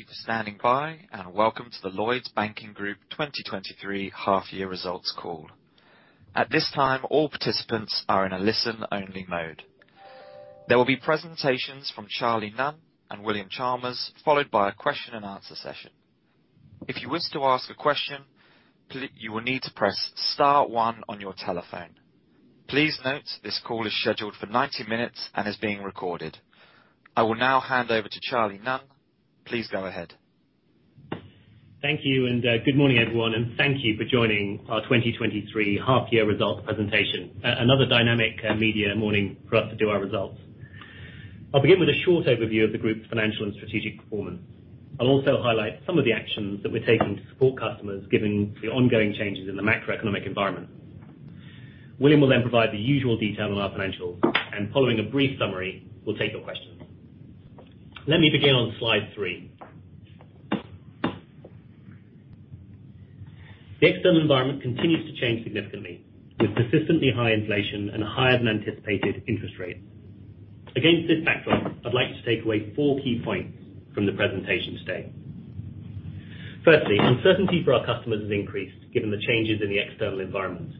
Thank you for standing by, welcome to the Lloyds Banking Group 2023 half year results call. At this time, all participants are in a listen only mode. There will be presentations from Charlie Nunn and William Chalmers, followed by a question and answer session. If you wish to ask a question, you will need to press star one on your telephone. Please note, this call is scheduled for 90 minutes and is being recorded. I will now hand over to Charlie Nunn. Please go ahead. Thank you, good morning, everyone, and thank you for joining our 2023 half-year results presentation. Another dynamic, media morning for us to do our results. I'll begin with a short overview of the Group's financial and strategic performance. I'll also highlight some of the actions that we're taking to support customers, given the ongoing changes in the macroeconomic environment. William will then provide the usual detail on our financials, and following a brief summary, we'll take your questions. Let me begin on slide three. The external environment continues to change significantly, with persistently high inflation and higher than anticipated interest rates. Against this backdrop, I'd like to take away four key points from the presentation today. Firstly, uncertainty for our customers has increased given the changes in the external environment.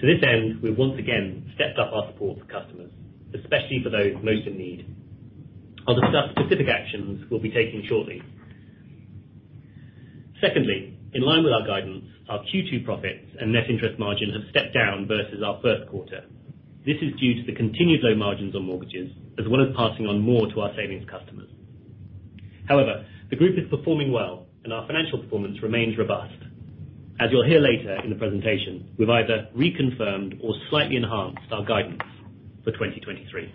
To this end, we've once again stepped up our support for customers, especially for those most in need. I'll discuss specific actions we'll be taking shortly. Secondly, in line with our guidance, our Q2 profits and net interest margin have stepped down versus our first quarter. This is due to the continued low margins on mortgages, as well as passing on more to our savings customers. However, the Group is performing well, and our financial performance remains robust. As you'll hear later in the presentation, we've either reconfirmed or slightly enhanced our guidance for 2023.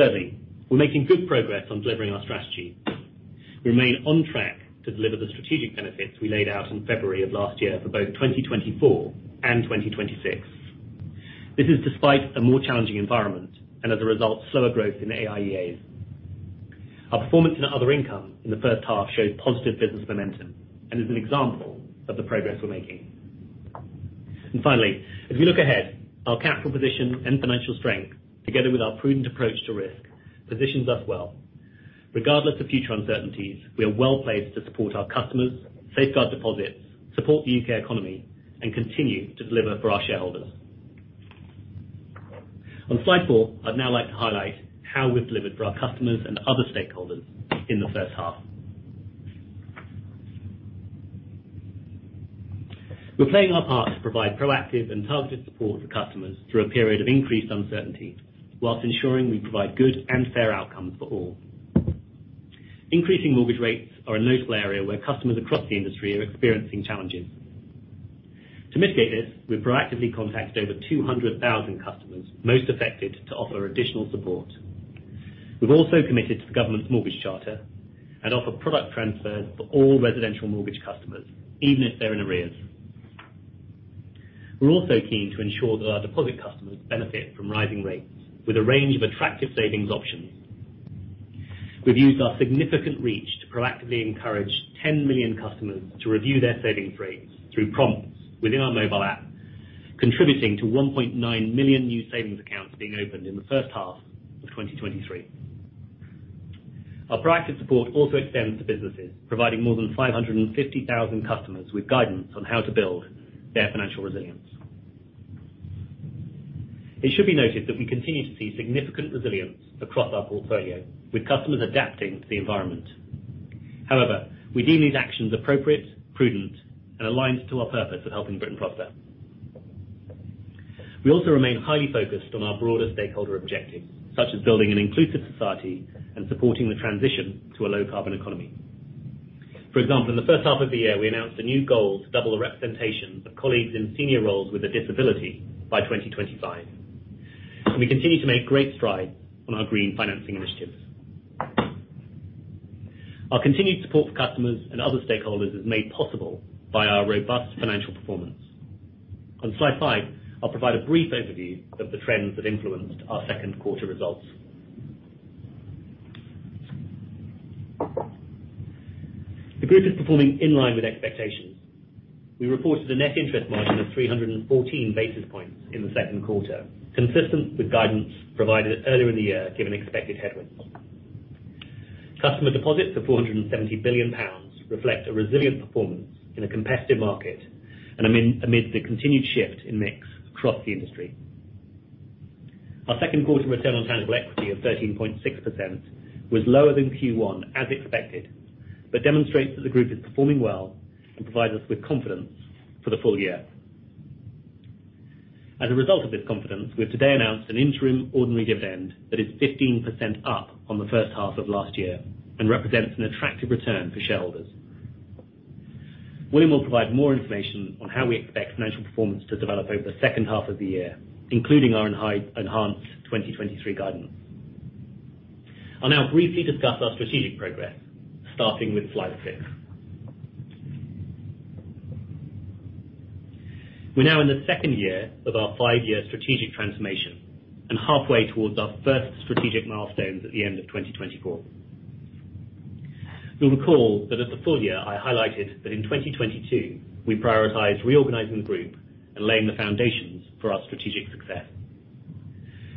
Thirdly, we're making good progress on delivering our strategy. We remain on track to deliver the strategic benefits we laid out in February of last year for both 2024 and 2026. This is despite a more challenging environment, and as a result, slower growth in AIEAs. Our performance in other income in the first half showed positive business momentum and is an example of the progress we're making. Finally, as we look ahead, our capital position and financial strength, together with our prudent approach to risk, positions us well. Regardless of future uncertainties, we are well-placed to support our customers, safeguard deposits, support the U.K. economy, and continue to deliver for our shareholders. On slide four, I'd now like to highlight how we've delivered for our customers and other stakeholders in the first half. We're playing our part to provide proactive and targeted support to customers through a period of increased uncertainty, while ensuring we provide good and fair outcomes for all. Increasing mortgage rates are a notable area where customers across the industry are experiencing challenges. To mitigate this, we've proactively contacted over 200,000 customers, most affected, to offer additional support. We've also committed to the government's mortgage charter and offer product transfers for all residential mortgage customers, even if they're in arrears. We're also keen to ensure that our deposit customers benefit from rising rates with a range of attractive savings options. We've used our significant reach to proactively encourage 10 million customers to review their savings rates through prompts within our mobile app, contributing to 1.9 million new savings accounts being opened in the first half of 2023. Our proactive support also extends to businesses, providing more than 550,000 customers with guidance on how to build their financial resilience. It should be noted that we continue to see significant resilience across our portfolio, with customers adapting to the environment. We deem these actions appropriate, prudent, and aligned to our purpose of helping Britain prosper. We also remain highly focused on our broader stakeholder objectives, such as building an inclusive society and supporting the transition to a low carbon economy. For example, in the first half of the year, we announced a new goal to double the representation of colleagues in senior roles with a disability by 2025, and we continue to make great strides on our green financing initiatives. Our continued support for customers and other stakeholders is made possible by our robust financial performance. On slide five, I'll provide a brief overview of the trends that influenced our second quarter results. The Group is performing in line with expectations. We reported a net interest margin of 314 basis points in the second quarter, consistent with guidance provided earlier in the year, given expected headwinds. Customer deposits of 470 billion pounds reflect a resilient performance in a competitive market and amid the continued shift in mix across the industry. Our second quarter return on tangible equity of 13.6% was lower than Q1, as expected, but demonstrates that the group is performing well and provides us with confidence for the full year. As a result of this confidence, we've today announced an interim ordinary dividend that is 15% up on the first half of last year and represents an attractive return for shareholders. William will provide more information on how we expect financial performance to develop over the second half of the year, including our enhanced 2023 guidance. I'll now briefly discuss our strategic progress, starting with slide six. We're now in the second year of our five-year strategic transformation and halfway towards our first strategic milestones at the end of 2024. You'll recall that at the full year, I highlighted that in 2022, we prioritized reorganizing the Group and laying the foundations for our strategic success.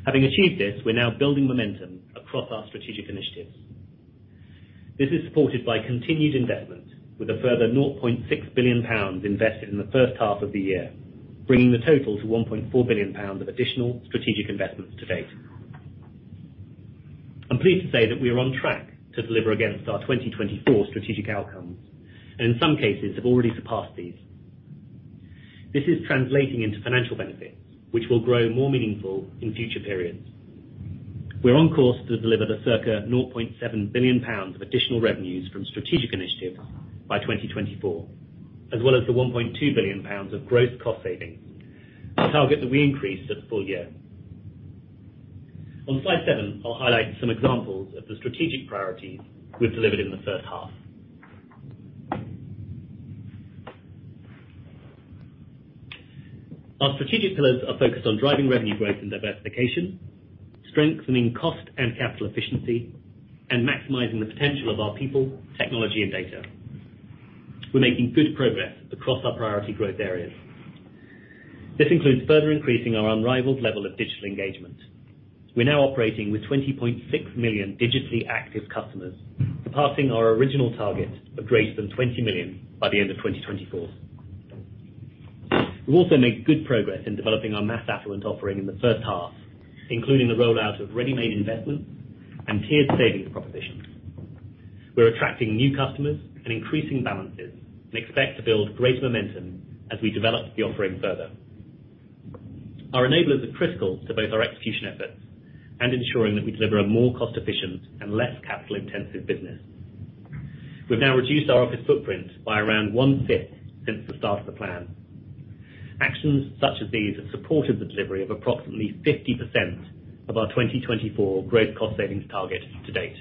Having achieved this, we're now building momentum across our strategic initiatives. This is supported by continued investment, with a further 0.6 billion pounds invested in the first half of the year, bringing the total to 1.4 billion pounds of additional strategic investments to date. I'm pleased to say that we are on track to deliver against our 2024 strategic outcomes, and in some cases, have already surpassed these. This is translating into financial benefits, which will grow more meaningful in future periods. We're on course to deliver the circa 0.7 billion pounds of additional revenues from strategic initiatives by 2024, as well as the 1.2 billion pounds of gross cost savings, a target that we increased at full year. On slide seven, I'll highlight some examples of the strategic priorities we've delivered in the first half. Our strategic pillars are focused on driving revenue growth and diversification, strengthening cost and capital efficiency, and maximizing the potential of our people, technology and data. We're making good progress across our priority growth areas. This includes further increasing our unrivaled level of digital engagement. We're now operating with 20.6 million digitally active customers, surpassing our original target of greater than 20 million by the end of 2024. We've also made good progress in developing our mass affluent offering in the first half, including the rollout of ready-made investments and tiered savings proposition. We're attracting new customers and increasing balances, we expect to build great momentum as we develop the offering further. Our enablers are critical to both our execution efforts and ensuring that we deliver a more cost-efficient and less capital-intensive business. We've now reduced our office footprint by around one-fifth since the start of the plan. Actions such as these have supported the delivery of approximately 50% of our 2024 gross cost savings target to date.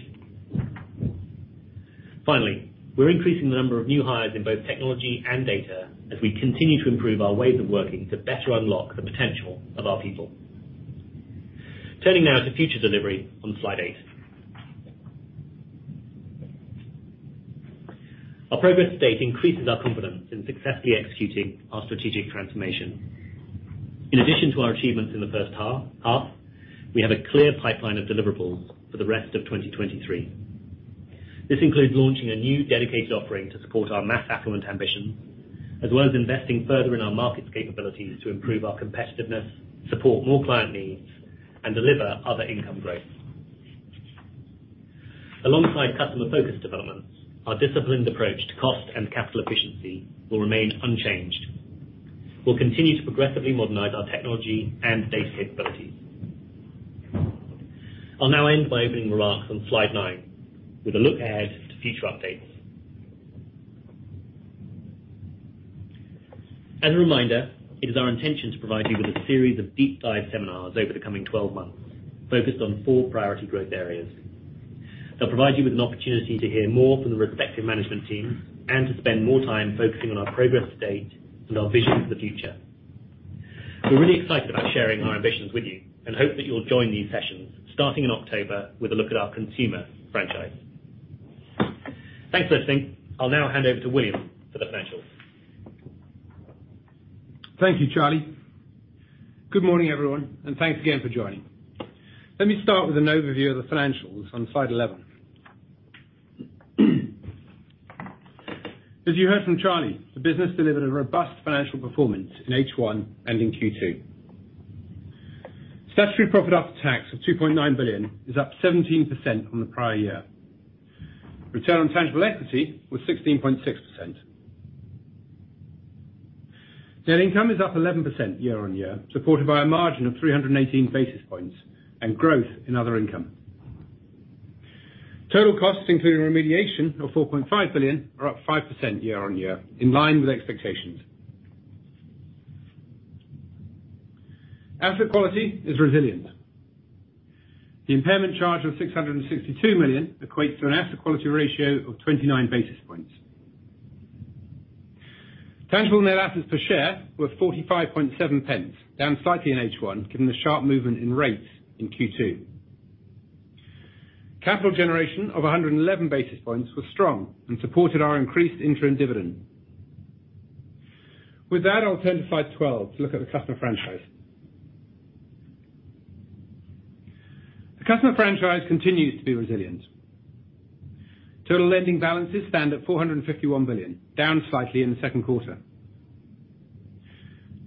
Finally, we're increasing the number of new hires in both technology and data as we continue to improve our ways of working to better unlock the potential of our people. Turning now to future delivery on slide eight. Our progress to date increases our confidence in successfully executing our strategic transformation. In addition to our achievements in the first half, we have a clear pipeline of deliverables for the rest of 2023. This includes launching a new dedicated offering to support our mass affluent ambition, as well as investing further in our markets capabilities to improve our competitiveness, support more client needs, and deliver other income growth. Alongside customer focus developments, our disciplined approach to cost and capital efficiency will remain unchanged. We'll continue to progressively modernize our technology and data capabilities. I'll now end by opening remarks on slide nine, with a look ahead to future updates. As a reminder, it is our intention to provide you with a series of deep dive seminars over the coming 12 months, focused on four priority growth areas. They'll provide you with an opportunity to hear more from the respective management teams and to spend more time focusing on our progress to date and our vision for the future. We're really excited about sharing our ambitions with you. Hope that you'll join these sessions, starting in October with a look at our consumer franchise. Thanks for listening. I'll now hand over to William for the financials. Thank you, Charlie. Good morning, everyone, and thanks again for joining. Let me start with an overview of the financials on slide 11. As you heard from Charlie, the business delivered a robust financial performance in H1 and in Q2. Statutory profit after tax of 2.9 billion is up 17% from the prior year. Return on tangible equity was 16.6%. Net income is up 11% year-on-year, supported by a margin of 318 basis points and growth in other income. Total costs, including remediation, of 4.5 billion, are up 5% year-on-year, in line with expectations. Asset quality is resilient. The impairment charge of 662 million equates to an asset quality ratio of 29 basis points. Tangible net assets per share were 0.457, down slightly in H1, given the sharp movement in rates in Q2. Capital generation of 111 basis points was strong and supported our increased interim dividend. With that, I'll turn to slide 12 to look at the customer franchise. The customer franchise continues to be resilient. Total lending balances stand at 451 billion, down slightly in the second quarter.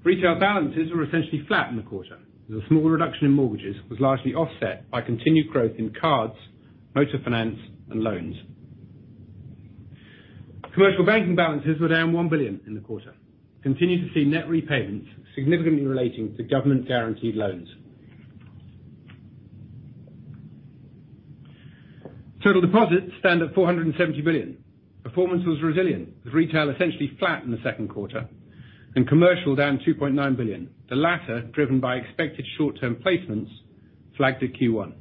Retail balances were essentially flat in the quarter, as a small reduction in mortgages was largely offset by continued growth in cards, motor finance, and loans. Commercial banking balances were down 1 billion in the quarter, continuing to see net repayments significantly relating to government-guaranteed loans. Total deposits stand at 470 billion. Performance was resilient, with retail essentially flat in the second quarter and commercial down 2.9 billion, the latter driven by expected short-term placements flagged at Q1.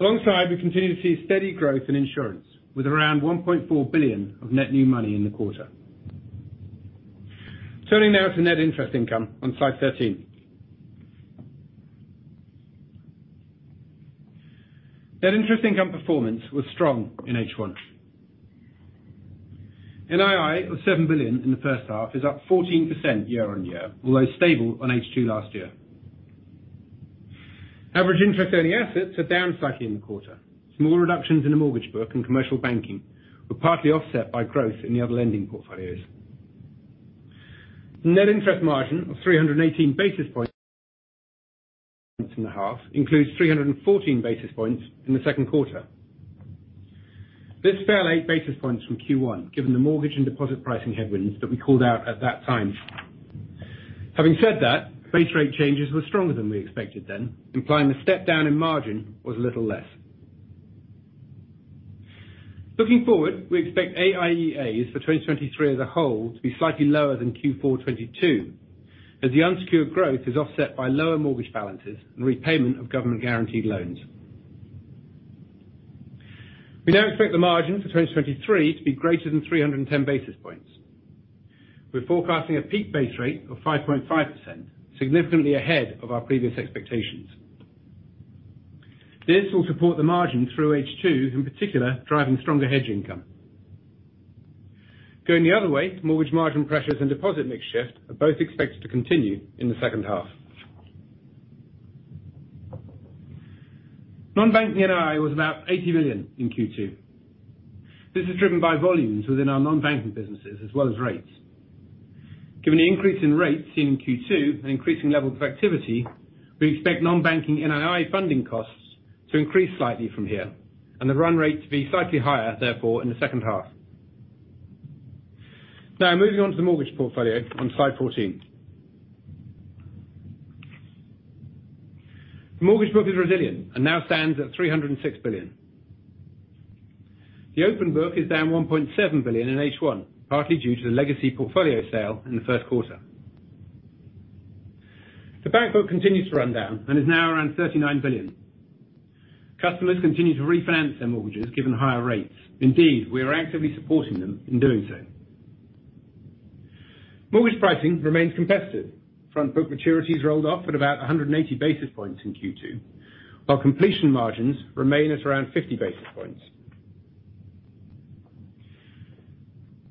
We continue to see steady growth in insurance, with around 1.4 billion of net new money in the quarter. Turning now to net interest income on slide 13. Net interest income performance was strong in H1. NII of 7 billion in the first half is up 14% year-on-year, although stable on H2 last year. Average interest earning assets are down slightly in the quarter. Small reductions in the mortgage book and commercial banking were partly offset by growth in the other lending portfolios. Net interest margin of 318 basis points in the half, includes 314 basis points in the second quarter. This fell eight basis points from Q1, given the mortgage and deposit pricing headwinds that we called out at that time. Having said that, base rate changes were stronger than we expected then, implying the step down in margin was a little less. Looking forward, we expect AIEAs for 2023 as a whole, to be slightly lower than Q4 2022, as the unsecured growth is offset by lower mortgage balances and repayment of government guaranteed loans. We now expect the margin for 2023 to be greater than 310 basis points. We're forecasting a peak base rate of 5.5%, significantly ahead of our previous expectations. This will support the margin through H2, in particular, driving stronger hedge income. Going the other way, mortgage margin pressures and deposit mix shift are both expected to continue in the second half. Non-bank NII was about 80 billion in Q2. This is driven by volumes within our non-banking businesses as well as rates. Given the increase in rates in Q2 and increasing levels of activity, we expect non-banking NII funding costs to increase slightly from here, and the run rate to be slightly higher, therefore, in the second half. Moving on to the mortgage portfolio on slide 14. The mortgage book is resilient and now stands at 306 billion. The open book is down 1.7 billion in H1, partly due to the legacy portfolio sale in the first quarter. The bank book continues to run down and is now around 39 billion. Customers continue to refinance their mortgages given higher rates. Indeed, we are actively supporting them in doing so. Mortgage pricing remains competitive. Front book maturities rolled off at about 180 basis points in Q2, while completion margins remain at around 50 basis points.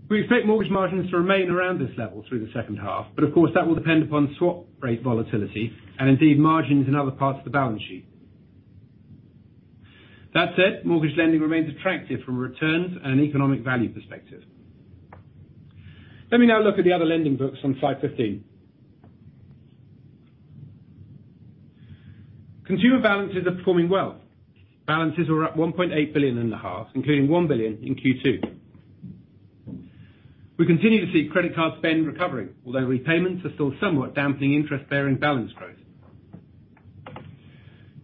Of course, that will depend upon swap rate volatility and indeed, margins in other parts of the balance sheet. That said, mortgage lending remains attractive from a returns and economic value perspective. Let me now look at the other lending books on Slide 15. Consumer balances are performing well. Balances are up 1.8 billion in the half, including 1 billion in Q2. We continue to see credit card spend recovering, although repayments are still somewhat dampening interest bearing balance growth.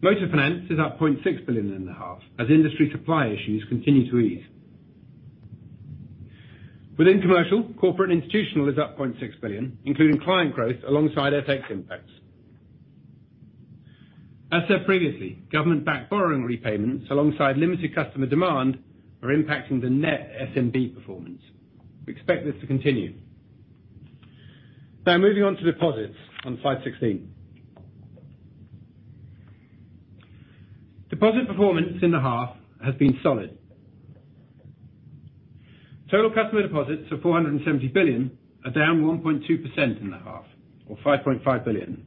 Motor finance is up 0.6 billion in the half, as industry supply issues continue to ease. Within commercial, corporate institutional is up 0.6 billion, including client growth alongside FX impacts. As said previously, government backed borrowing repayments, alongside limited customer demand, are impacting the net SMB performance. We expect this to continue. Now moving on to deposits on slide 16. Deposit performance in the half has been solid. Total customer deposits of 470 billion are down 1.2% in the half, or 5.5 billion.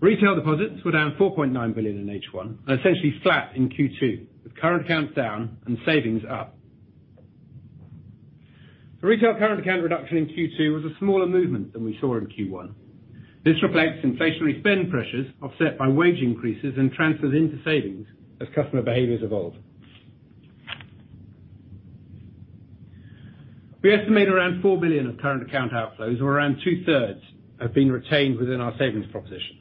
Retail deposits were down 4.9 billion in H1, and essentially flat in Q2, with current accounts down and savings up. The retail current account reduction in Q2 was a smaller movement than we saw in Q1. This reflects inflationary spend pressures offset by wage increases and transfers into savings as customer behaviors evolve. We estimate around 4 billion of current account outflows, or around 2/3, have been retained within our savings proposition.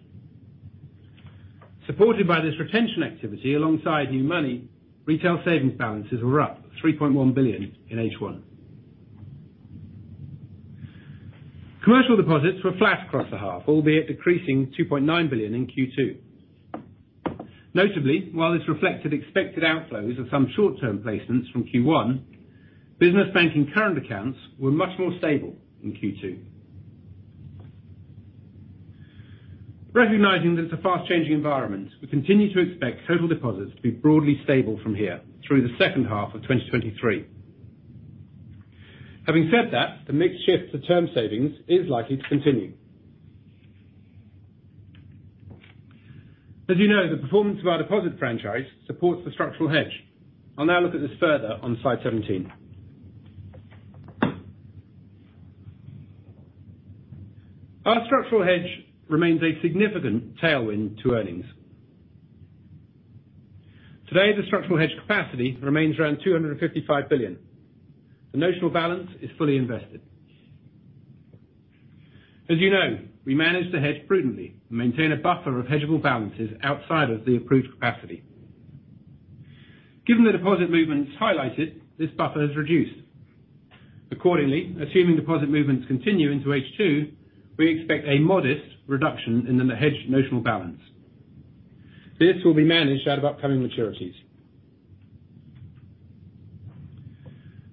Supported by this retention activity, alongside new money, retail savings balances were up 3.1 billion in H1. Commercial deposits were flat across the half, albeit decreasing 2.9 billion in Q2. Notably, while this reflected expected outflows of some short-term placements from Q1, business banking current accounts were much more stable in Q2. Recognizing that it's a fast changing environment, we continue to expect total deposits to be broadly stable from here through the second half of 2023. Having said that, the mix shift to term savings is likely to continue. As you know, the performance of our deposit franchise supports the structural hedge. I'll now look at this further on slide 17. Our structural hedge remains a significant tailwind to earnings. Today, the structural hedge capacity remains around 255 billion. The notional balance is fully invested. As you know, we manage the hedge prudently and maintain a buffer of hedgeable balances outside of the approved capacity. Given the deposit movements highlighted, this buffer has reduced. Accordingly, assuming deposit movements continue into H2, we expect a modest reduction in the hedge notional balance. This will be managed out of upcoming maturities.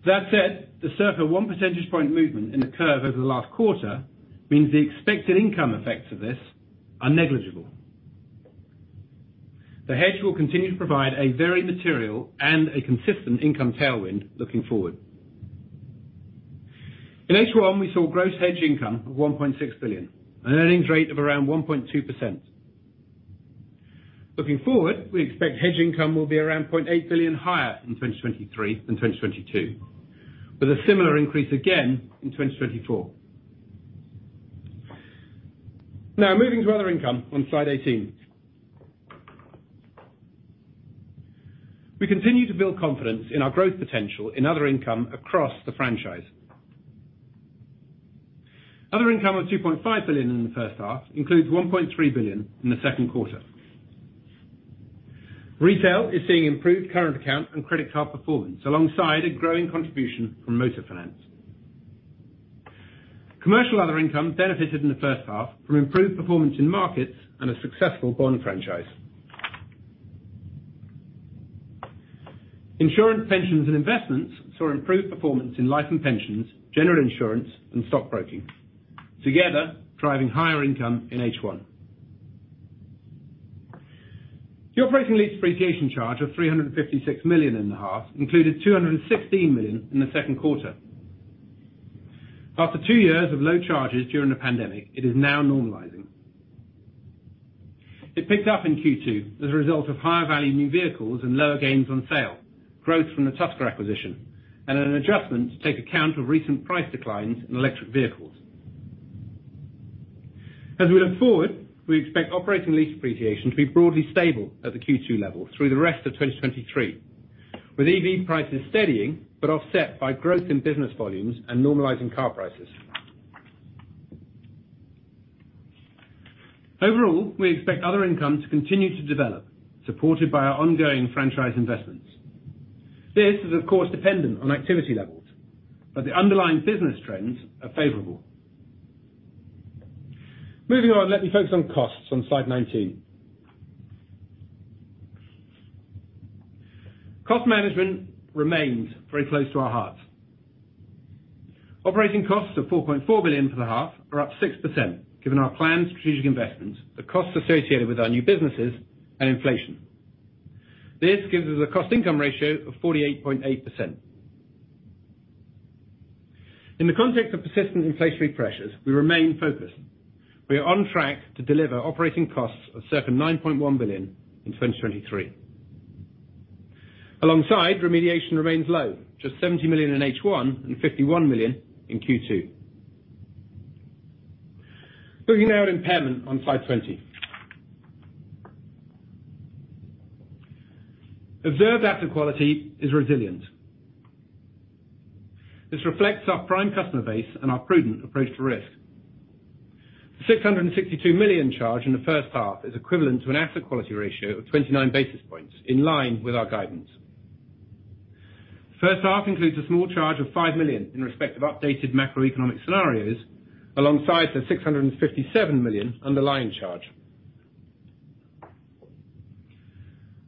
That said, the circa 1 percentage point movement in the curve over the last quarter means the expected income effects of this are negligible. The hedge will continue to provide a very material and a consistent income tailwind looking forward. In H1, we saw gross hedge income of 1.6 billion, an earnings rate of around 1.2%. Looking forward, we expect hedge income will be around 0.8 billion higher in 2023 than 2022, with a similar increase again in 2024. Moving to other income on slide 18. We continue to build confidence in our growth potential in other income across the franchise. Other income of 2.5 billion in the first half includes 1.3 billion in the second quarter. Retail is seeing improved current account and credit card performance, alongside a growing contribution from motor finance. Commercial other income benefited in the first half from improved performance in markets and a successful bond franchise. Insurance, pensions, and investments saw improved performance in life and pensions, general insurance, and stockbroking, together driving higher income in H1. The operating lease depreciation charge of 356 million in the half included 216 million in the second quarter. After two years of low charges during the pandemic, it is now normalizing. It picked up in Q2 as a result of higher value new vehicles and lower gains on sale, growth from the Tusker acquisition, and an adjustment to take account of recent price declines in electric vehicles. As we look forward, we expect operating lease depreciation to be broadly stable at the Q2 level through the rest of 2023, with EV prices steadying but offset by growth in business volumes and normalizing car prices. Overall, we expect other income to continue to develop, supported by our ongoing franchise investments. This is, of course, dependent on activity levels, but the underlying business trends are favorable. Moving on, let me focus on costs on slide 19. Cost management remains very close to our hearts. Operating costs of 4.4 billion for the half are up 6%, given our planned strategic investments, the costs associated with our new businesses, and inflation. This gives us a cost income ratio of 48.8%. In the context of persistent inflationary pressures, we remain focused. We are on track to deliver operating costs of circa 9.1 billion in 2023. Remediation remains low, just 70 million in H1 and 51 million in Q2. Looking now at impairment on slide 20. Observed asset quality is resilient. This reflects our prime customer base and our prudent approach to risk. 662 million charge in the first half is equivalent to an asset quality ratio of 29 basis points, in line with our guidance. First half includes a small charge of 5 million in respect of updated macroeconomic scenarios, alongside the 657 million underlying charge.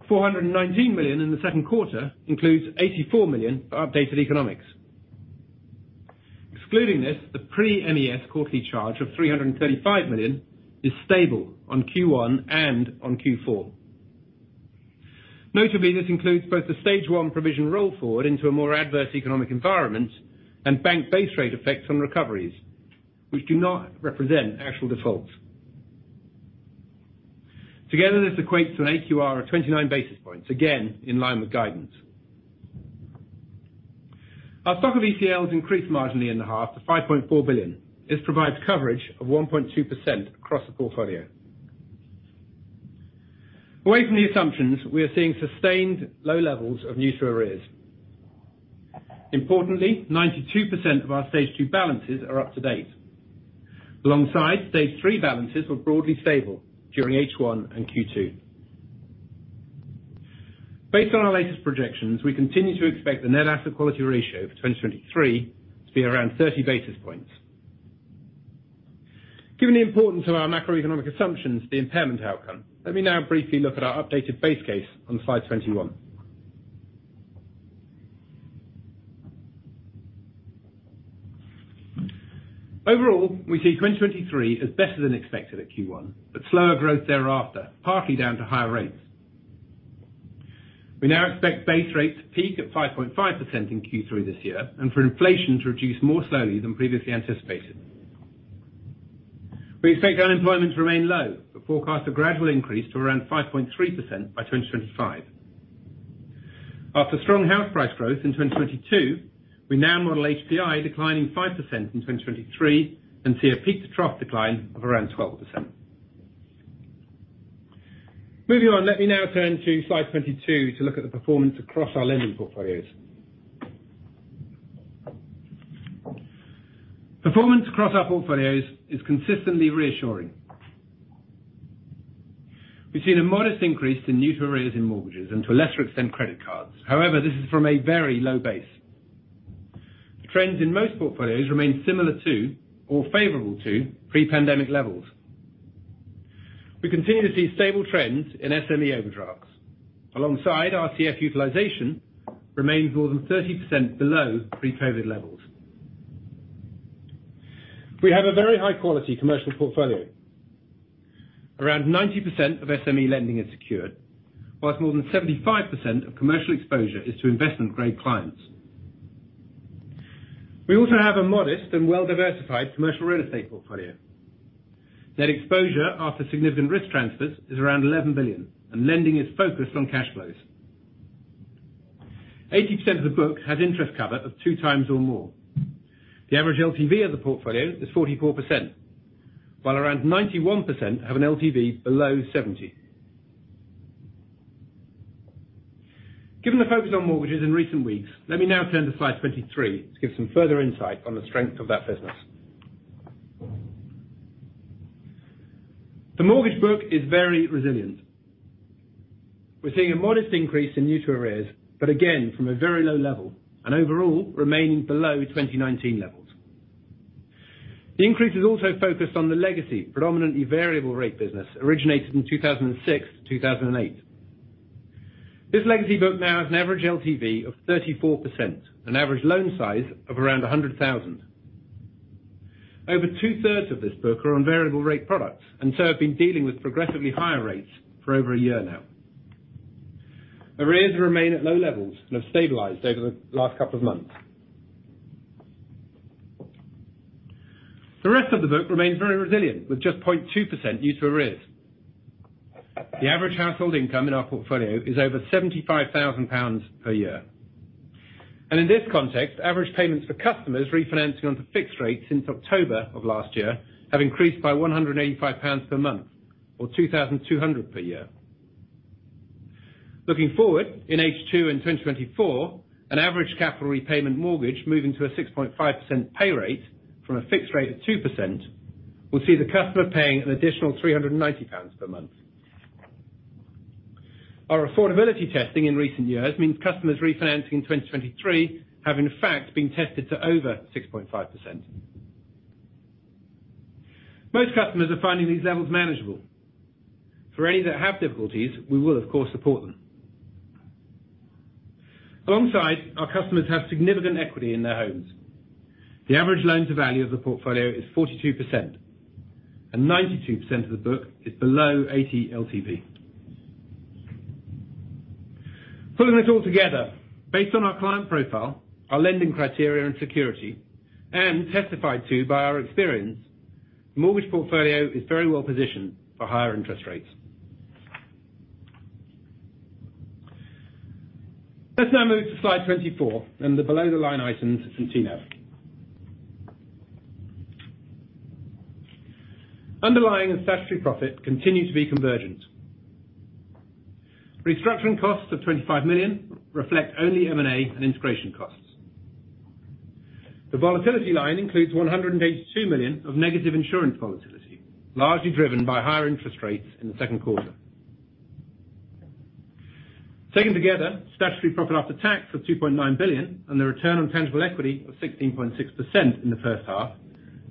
419 million in the second quarter includes 84 million for updated economics. Excluding this, the pre-MES quarterly charge of 335 million is stable on Q1 and on Q4. Notably, this includes both the stage one provision roll forward into a more adverse economic environment and bank base rate effects on recoveries, which do not represent actual defaults. Together, this equates to an AQR of 29 basis points, again, in line with guidance. Our stock of ECLs increased marginally in the half to 5.4 billion. This provides coverage of 1.2% across the portfolio. Away from the assumptions, we are seeing sustained low levels of new through arrears. Importantly, 92% of our stage two balances are up to date. Alongside, stage three balances were broadly stable during H1 and Q2. Based on our latest projections, we continue to expect the net asset quality ratio for 2023 to be around 30 basis points. Given the importance of our macroeconomic assumptions to the impairment outcome, let me now briefly look at our updated base case on slide 21. Overall, we see 2023 as better than expected at Q1, but slower growth thereafter, partly down to higher rates. We now expect base rates to peak at 5.5% in Q3 this year, and for inflation to reduce more slowly than previously anticipated. We expect unemployment to remain low, but forecast a gradual increase to around 5.3% by 2025. After strong house price growth in 2022, we now model HPI declining 5% in 2023 and see a peak to trough decline of around 12%. Moving on, let me now turn to slide 22 to look at the performance across our lending portfolios. Performance across our portfolios is consistently reassuring. We've seen a modest increase in new through arrears in mortgages and to a lesser extent, credit cards. This is from a very low base. Trends in most portfolios remain similar to or favorable to pre-pandemic levels. We continue to see stable trends in SME overdrafts, alongside our RCF utilization remains more than 30% below pre-COVID levels. We have a very high quality commercial portfolio. Around 90% of SME lending is secured, whilst more than 75% of commercial exposure is to investment grade clients. We also have a modest and well-diversified commercial real estate portfolio. Net exposure after significant risk transfers is around 11 billion, and lending is focused on cash flows. 80% of the book has interest cover of two times or more. The average LTV of the portfolio is 44%, while around 91% have an LTV below 70%. Given the focus on mortgages in recent weeks, let me now turn to slide 23 to give some further insight on the strength of that business. The mortgage book is very resilient. We're seeing a modest increase in new to arrears, but again, from a very low level, and overall, remaining below 2019 levels. The increase is also focused on the legacy, predominantly variable rate business, originated in 2006 to 2008. This legacy book now has an average LTV of 34%, an average loan size of around 100,000. Over two-thirds of this book are on variable rate products, and so have been dealing with progressively higher rates for over a year now. Arrears remain at low levels and have stabilized over the last couple of months. The rest of the book remains very resilient, with just 0.2% due to arrears. The average household income in our portfolio is over 75,000 pounds per year. In this context, average payments for customers refinancing onto fixed rates since October of last year, have increased by 185 pounds per month, or 2,200 per year. Looking forward, in H2 in 2024, an average capital repayment mortgage moving to a 6.5% pay rate from a fixed rate of 2%, will see the customer paying an additional 390 pounds per month. Our affordability testing in recent years means customers refinancing in 2023 have, in fact, been tested to over 6.5%. Most customers are finding these levels manageable. For any that have difficulties, we will, of course, support them. Our customers have significant equity in their homes. The average loan to value of the portfolio is 42%, and 92% of the book is below 80 LTV. Putting this all together, based on our client profile, our lending criteria and security, and testified to by our experience, the mortgage portfolio is very well positioned for higher interest rates. Let's now move to slide 24. The below the line items from TNAV. Underlying statutory profit continue to be convergent. Restructuring costs of 25 million reflect only M&A and integration costs. The volatility line includes 182 million of negative insurance volatility, largely driven by higher interest rates in the second quarter. Taken together, statutory profit after tax of 2.9 billion, and the return on tangible equity of 16.6% in the first half,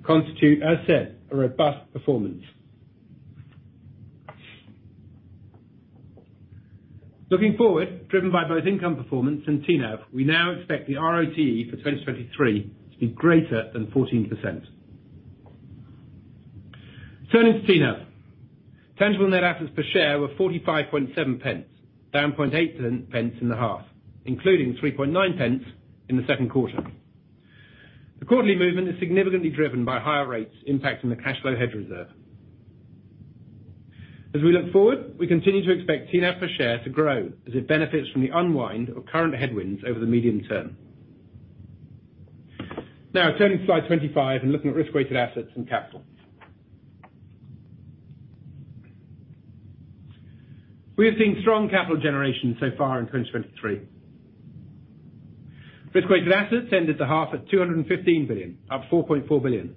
constitute, as said, a robust performance. Looking forward, driven by both income performance and TNAV, we now expect the RoTE for 2023 to be greater than 14%. Turning to TNAV, tangible net assets per share were 0.457, down 0.08 in the half, including 0.39 in the second quarter. The quarterly movement is significantly driven by higher rates impacting the cash flow hedge reserve. As we look forward, we continue to expect TNAV per share to grow as it benefits from the unwind of current headwinds over the medium term. Turning to slide 25 and looking at risk-weighted assets and capital. We have seen strong capital generation so far in 2023. Risk-weighted assets ended the half at 215 billion, up 4.4 billion.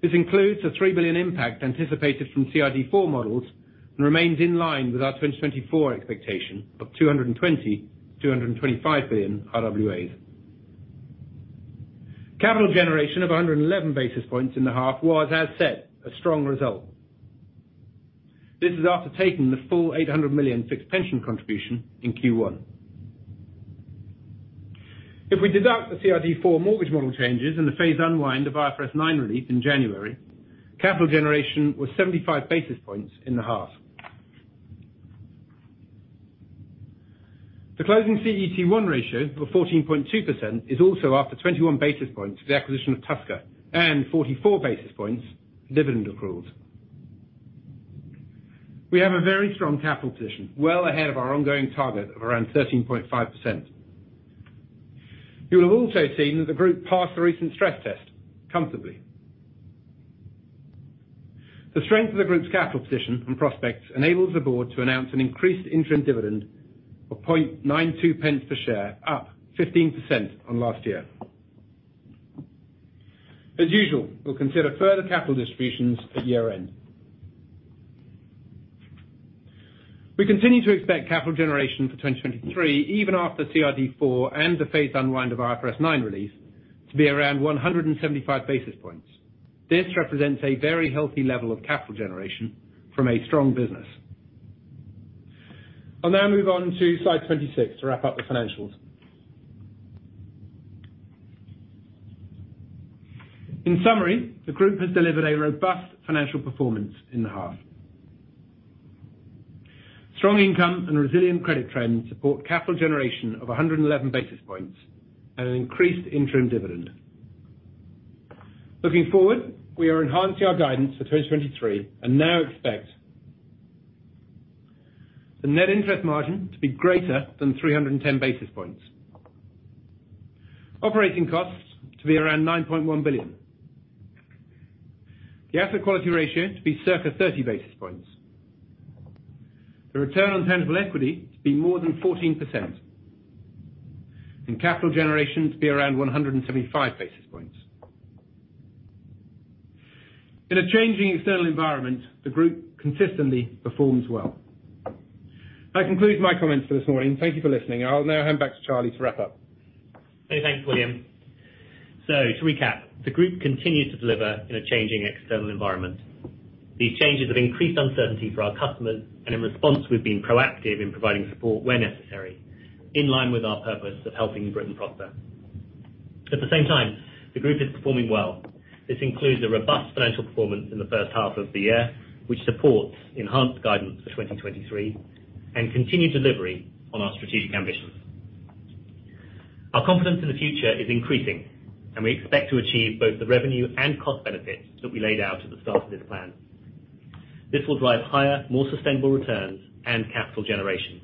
This includes a 3 billion impact anticipated from CRD IV models, and remains in line with our 2024 expectation of 220 billion-225 billion RWAs. Capital generation of 111 basis points in the half was, as said, a strong result. This is after taking the full 800 million fixed pension contribution in Q1. If we deduct the CRD IV mortgage model changes and the phase unwind of IFRS 9 relief in January, capital generation was 75 basis points in the half. The closing CET1 ratio of 14.2% is also after 21 basis points for the acquisition of Tusker, and 44 basis points dividend accruals. We have a very strong capital position, well ahead of our ongoing target of around 13.5%. You will have also seen that the Group passed the recent stress test comfortably. The strength of the Group's capital position and prospects enables the board to announce an increased interim dividend of 0.92 per share, up 15% on last year. As usual, we'll consider further capital distributions at year-end. We continue to expect capital generation for 2023, even after CRD IV and the phased unwind of IFRS 9 release, to be around 175 basis points. This represents a very healthy level of capital generation from a strong business. I'll now move on to slide 26 to wrap up the financials. In summary, the Group has delivered a robust financial performance in the half. Strong income and resilient credit trends support capital generation of 111 basis points and an increased interim dividend. Looking forward, we are enhancing our guidance for 2023, and now expect the net interest margin to be greater than 310 basis points, operating costs to be around 9.1 billion, the asset quality ratio to be circa 30 basis points, the return on tangible equity to be more than 14%, and capital generation to be around 175 basis points. In a changing external environment, the Group consistently performs well. That concludes my comments for this morning. Thank you for listening. I'll now hand back to Charlie to wrap up. Many thanks, William. To recap, the Group continues to deliver in a changing external environment. These changes have increased uncertainty for our customers, and in response, we've been proactive in providing support where necessary, in line with our purpose of helping Britain prosper. At the same time, the Group is performing well. This includes a robust financial performance in the first half of the year, which supports enhanced guidance for 2023, and continued delivery on our strategic ambitions. Our confidence in the future is increasing, and we expect to achieve both the revenue and cost benefits that we laid out at the start of this plan. This will drive higher, more sustainable returns and capital generation.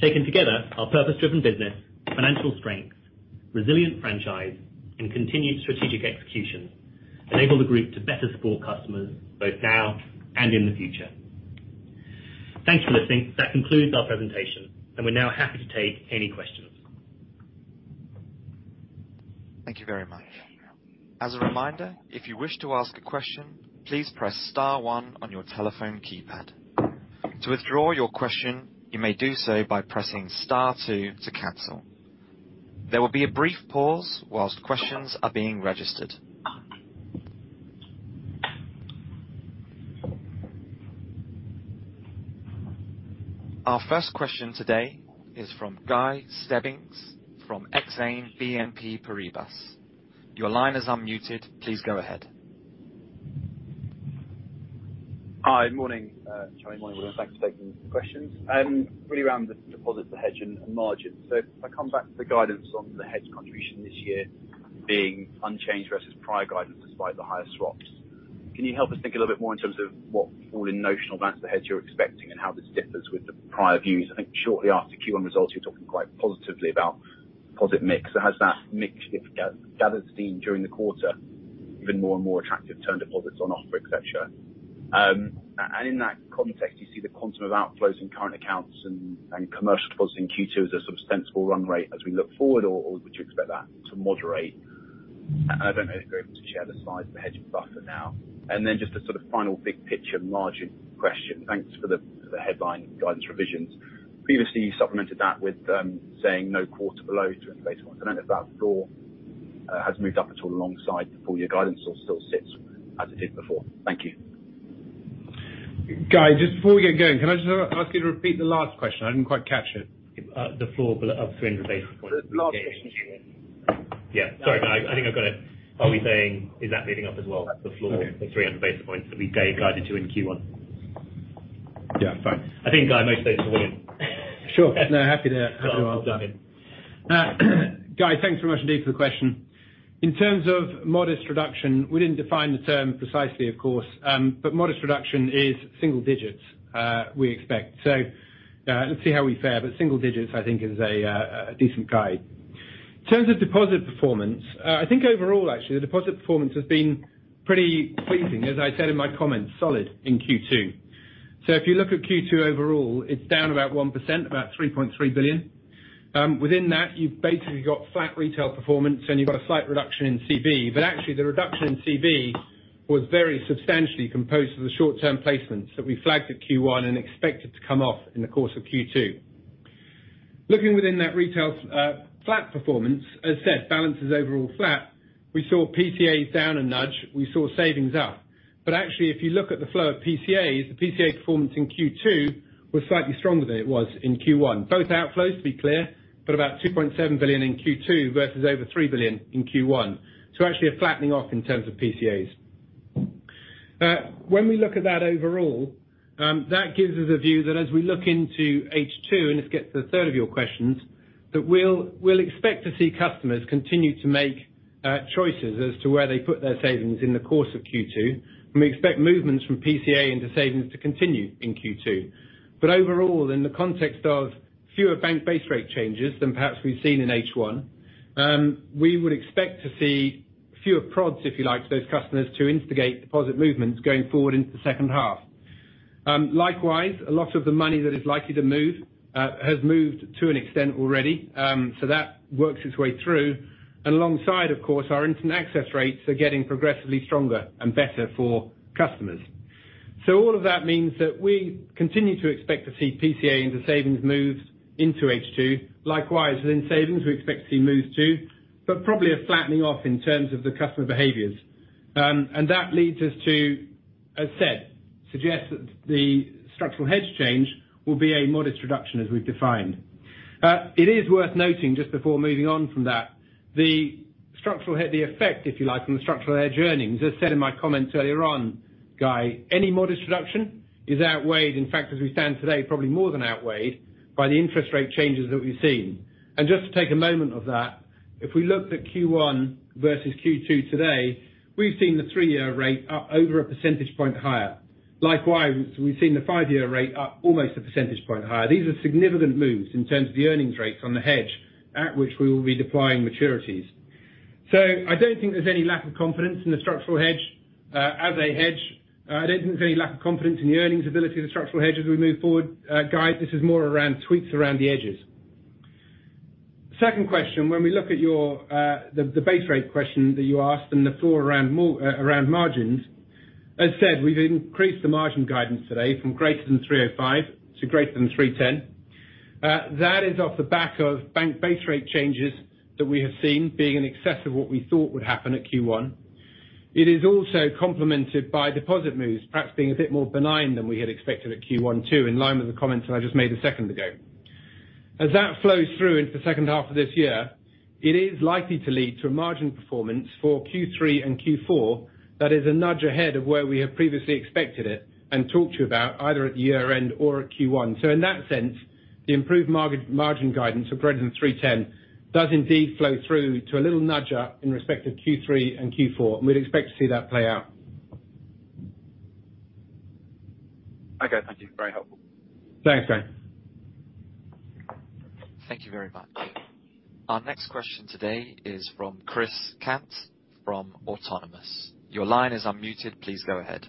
Taken together, our purpose-driven business, financial strength, resilient franchise, and continued strategic execution enable the Group to better support customers both now and in the future. Thanks for listening. That concludes our presentation, and we're now happy to take any questions. Thank you very much. As a reminder, if you wish to ask a question, please press star one on your telephone keypad. To withdraw your question, you may do so by pressing star two to cancel. There will be a brief pause while questions are being registered. Our first question today is from Guy Stebbings, from Exane BNP Paribas. Your line is unmuted. Please go ahead. Hi. Morning, Charlie, morning, William. Thanks for taking questions. Really around the deposits, the hedge and margins. If I come back to the guidance on the hedge contribution this year being unchanged versus prior guidance, despite the higher swaps, can you help us think a little bit more in terms of what fall in notional advance the hedge you're expecting and how this differs with the prior views? I think shortly after Q1 results, you're talking quite positively about deposit mix. Has that mix different gathered steam during the quarter, been more and more attractive to deposits on offer, et cetera? And in that context, you see the quantum of outflows in current accounts and commercial deposits in Q2 as a substantial run rate as we look forward, or would you expect that to moderate? I don't know if you're able to share the size of the hedging buffer now. Just a sort of final big picture margin question. Thanks for the headline guidance revisions. Previously, you supplemented that with saying no quarter below 300 basis points. I don't know if that floor has moved up at all alongside the full year guidance or still sits as it did before. Thank you. Guy, just before we get going, can I just ask you to repeat the last question? I didn't quite catch it. The floor of 300 basis points. The last question. Sorry, Guy, I think I've got it. Are we saying is that meeting up as well, the floor of 300 basis points that we guided you in Q1? Yeah. Fine. I think, Guy, mostly it's for William. Sure. No, happy to, happy to answer. Well done, William. Guy, thanks very much indeed for the question. In terms of modest reduction, we didn't define the term precisely, of course, but modest reduction is single digits we expect. Let's see how we fare, but single digits, I think, is a decent guide. In terms of deposit performance, I think overall, actually, the deposit performance has been pretty pleasing, as I said in my comments, solid in Q2. If you look at Q2 overall, it's down about 1%, about 3.3 billion. Within that, you've basically got flat retail performance and you've got a slight reduction in CB, but actually, the reduction in CB was very substantially composed of the short-term placements that we flagged at Q1 and expected to come off in the course of Q2. Looking within that retail, flat performance, as said, balances overall flat. We saw PCAs down a nudge, we saw savings up. Actually, if you look at the flow of PCAs, the PCA performance in Q2 was slightly stronger than it was in Q1. Both outflows, to be clear, but about 2.7 billion in Q2 versus over 3 billion in Q1. Actually a flattening off in terms of PCAs. When we look at that overall, that gives us a view that as we look into H2, and this gets to the third of your questions, that we'll expect to see customers continue to make choices as to where they put their savings in the course of Q2. We expect movements from PCA into savings to continue in Q2. Overall, in the context of fewer bank base rate changes than perhaps we've seen in H1, we would expect to see fewer prods, if you like, to those customers to instigate deposit movements going forward into the second half. Likewise, a lot of the money that is likely to move has moved to an extent already, so that works its way through. Alongside, of course, our internet access rates are getting progressively stronger and better for customers. All of that means that we continue to expect to see PCA into savings moves into H2. Likewise, within savings, we expect to see moves too, but probably a flattening off in terms of the customer behaviors. That leads us to, as said, suggest that the structural hedge change will be a modest reduction, as we've defined. It is worth noting, just before moving on from that, the structural hedge, the effect, if you like, on the structural hedge earnings, as said in my comments earlier on, Guy, any modest reduction is outweighed, in fact, as we stand today, probably more than outweighed by the interest rate changes that we've seen. Just to take a moment of that, if we looked at Q1 versus Q2 today, we've seen the three-year rate up over 1 percentage point higher. Likewise, we've seen the five-year rate up almost 1 percentage point higher. These are significant moves in terms of the earnings rates on the hedge at which we will be deploying maturities. I don't think there's any lack of confidence in the structural hedge. As a hedge, I don't think there's any lack of confidence in the earnings ability of the structural hedge as we move forward. Guys, this is more around tweaks around the edges. Second question, when we look at your, the base rate question that you asked and the floor around more around margins. As said, we've increased the margin guidance today from greater than 3.05% to greater than 3.10%. That is off the back of bank base rate changes that we have seen being in excess of what we thought would happen at Q1. It is also complemented by deposit moves, perhaps being a bit more benign than we had expected at Q1 too, in line with the comments that I just made a second ago. As that flows through into the second half of this year, it is likely to lead to a margin performance for Q3 and Q4 that is a nudge ahead of where we have previously expected it and talked to you about, either at year end or at Q1. In that sense, the improved margin guidance of greater than 3.10% does indeed flow through to a little nudge up in respect of Q3 and Q4, and we'd expect to see that play out. Thank you. Very helpful. Thanks, Guy. Thank you very much. Our next question today is from Chris Cant from Autonomous. Your line is unmuted. Please go ahead.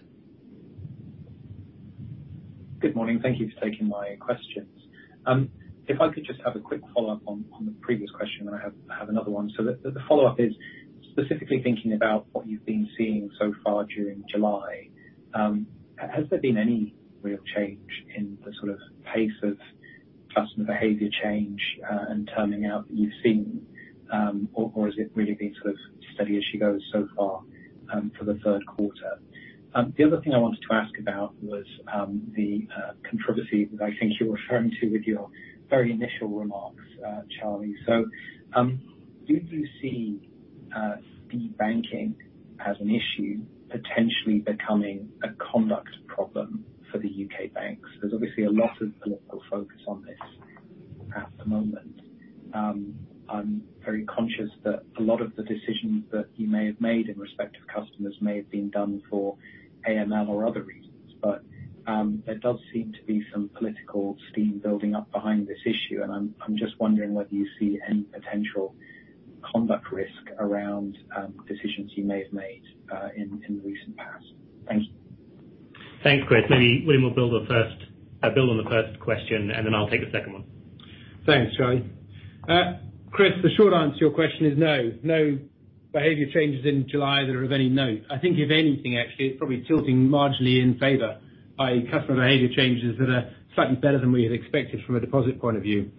Good morning. Thank you for taking my questions. If I could just have a quick follow-up on the previous question, then I have another one. The follow-up is specifically thinking about what you've been seeing so far during July. Has there been any real change in the sort of pace of customer behavior change and turning out that you've seen, or has it really been sort of steady as she goes so far for the third quarter? The other thing I wanted to ask about was the controversy that I think you were referring to with your very initial remarks, Charlie. Do you see de-banking as an issue, potentially becoming a conduct problem for the U.K. banks? There's obviously a lot of political focus on this at the moment. I'm very conscious that a lot of the decisions that you may have made in respect of customers may have been done for AML or other reasons, but there does seem to be some political steam building up behind this issue, and I'm just wondering whether you see any potential conduct risk around decisions you may have made in the recent past. Thank you. Thanks, Chris. Maybe William will build on the 1st question, and then I'll take the 2nd one. Thanks, Guy. Chris, the short answer to your question is no. No behavior changes in July that are of any note. I think if anything, actually, it's probably tilting marginally in favor, by customer behavior changes that are slightly better than we had expected from a deposit point of view.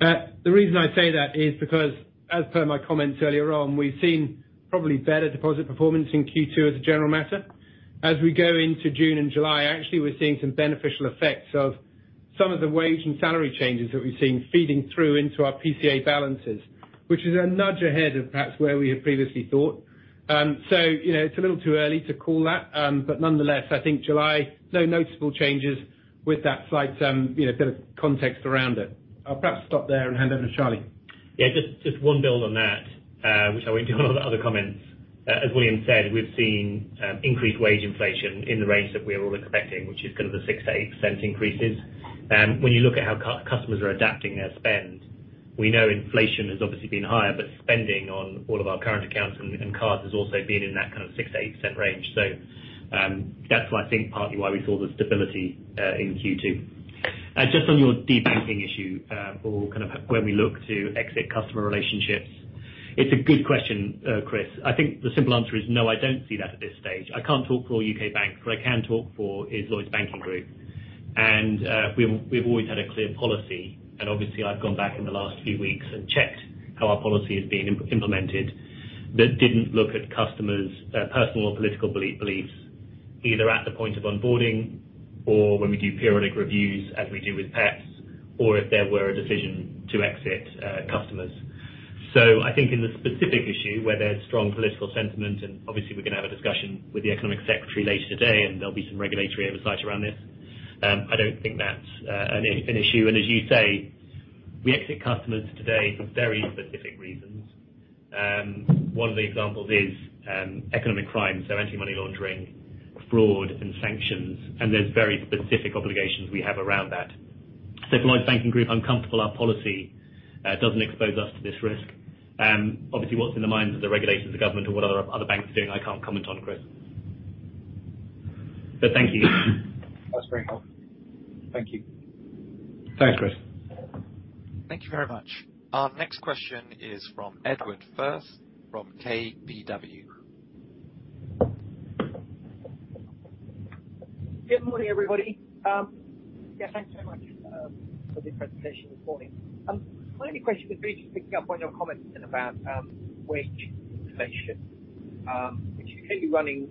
The reason I say that is because, as per my comments earlier on, we've seen probably better deposit performance in Q2 as a general matter. As we go into June and July, actually, we're seeing some beneficial effects of some of the wage and salary changes that we've seen feeding through into our PCA balances, which is a nudge ahead of perhaps where we had previously thought. You know, it's a little too early to call that, but nonetheless, I think July, no noticeable changes with that slight, you know, bit of context around it. I'll perhaps stop there and hand over to Charlie. Yeah, just one build on that, which I won't do on other comments. As William said, we've seen increased wage inflation in the range that we were all expecting, which is kind of the 6%-8% increases. When you look at how customers are adapting their spend, we know inflation has obviously been higher, but spending on all of our current accounts and cards has also been in that kind of 6%-8% range. That's why I think partly why we saw the stability in Q2. Just on your de-banking issue, or kind of when we look to exit customer relationships, it's a good question, Chris. I think the simple answer is no, I don't see that at this stage. I can't talk for all U.K. banks, what I can talk for is Lloyds Banking Group. We've always had a clear policy, and obviously I've gone back in the last few weeks and checked how our policy is being implemented, that didn't look at customers, personal or political beliefs, either at the point of onboarding or when we do periodic reviews, as we do with PEPs, or if there were a decision to exit, customers. I think in the specific issue, where there's strong political sentiment, and obviously we're going to have a discussion with the economic secretary later today, and there'll be some regulatory oversight around this, I don't think that's an issue. As you say, we exit customers today for very specific reasons. One of the examples is economic crime, so anti-money laundering, fraud and sanctions, and there's very specific obligations we have around that. At Lloyds Banking Group, I'm comfortable our policy doesn't expose us to this risk. Obviously, what's in the minds of the regulators, the government, or what other banks are doing, I can't comment on, Chris. Thank you. That's very helpful. Thank you. Thanks, Chris. Thank you very much. Our next question is from Edward Firth from KBW. Good morning, everybody. Thanks so much for the presentation this morning. My only question would be just picking up on your comments then about wage inflation, which is clearly running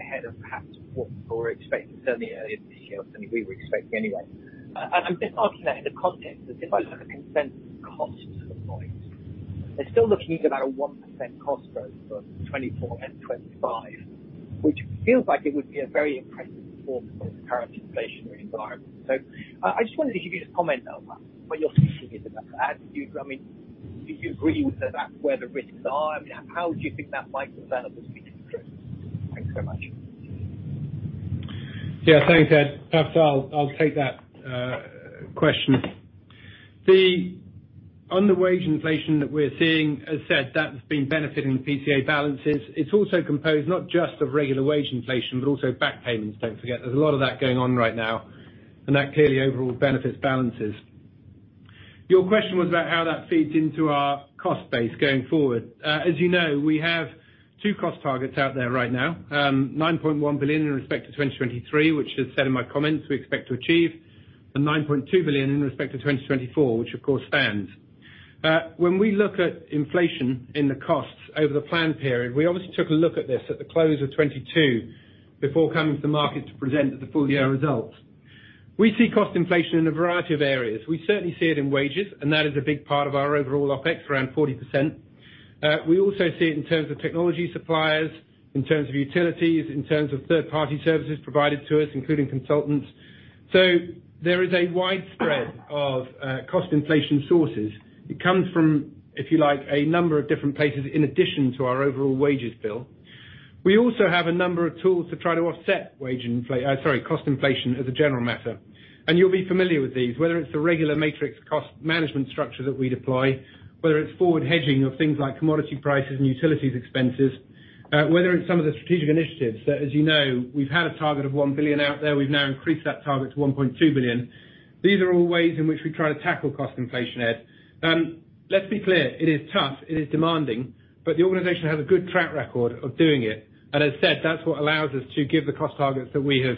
ahead of perhaps what you were expecting, certainly earlier this year, than we were expecting anyway. I'm just asking that in the context that if I look at the consensus cost to the point, they're still looking at about a 1% cost growth for 2024 and 2025, which feels like it would be a very impressive performance in the current inflationary environment. I just wanted to get you to comment on that, what you're thinking about that. I mean, do you agree that that's where the risks are? I mean, how do you think that might develop as we go through? Thanks so much. Thanks, Ed. Perhaps I'll take that question. The on the wage inflation that we're seeing, as said, that's been benefiting the PCA balances. It's also composed not just of regular wage inflation, but also back payments, don't forget. There's a lot of that going on right now. That clearly overall benefits balances. Your question was about how that feeds into our cost base going forward. As you know, we have two cost targets out there right now. 9.1 billion in respect to 2023, which as said in my comments, we expect to achieve and 9.2 billion in respect to 2024, which of course stands. When we look at inflation in the costs over the plan period, we obviously took a look at this at the close of 2022 before coming to the market to present the full-year results. We see cost inflation in a variety of areas. We certainly see it in wages, and that is a big part of our overall OpEx, around 40%. We also see it in terms of technology suppliers, in terms of utilities, in terms of third-party services provided to us, including consultants. So there is a wide spread of cost inflation sources. It comes from, if you like, a number of different places in addition to our overall wages bill. We also have a number of tools to try to offset cost inflation as a general matter. You'll be familiar with these, whether it's the regular matrix cost management structure that we deploy, whether it's forward hedging of things like commodity prices and utilities expenses, whether it's some of the strategic initiatives, that, as you know, we've had a target of 1 billion out there. We've now increased that target to 1.2 billion. These are all ways in which we try to tackle cost inflation, Ed. Let's be clear, it is tough, it is demanding, but the organization has a good track record of doing it. As said, that's what allows us to give the cost targets that we have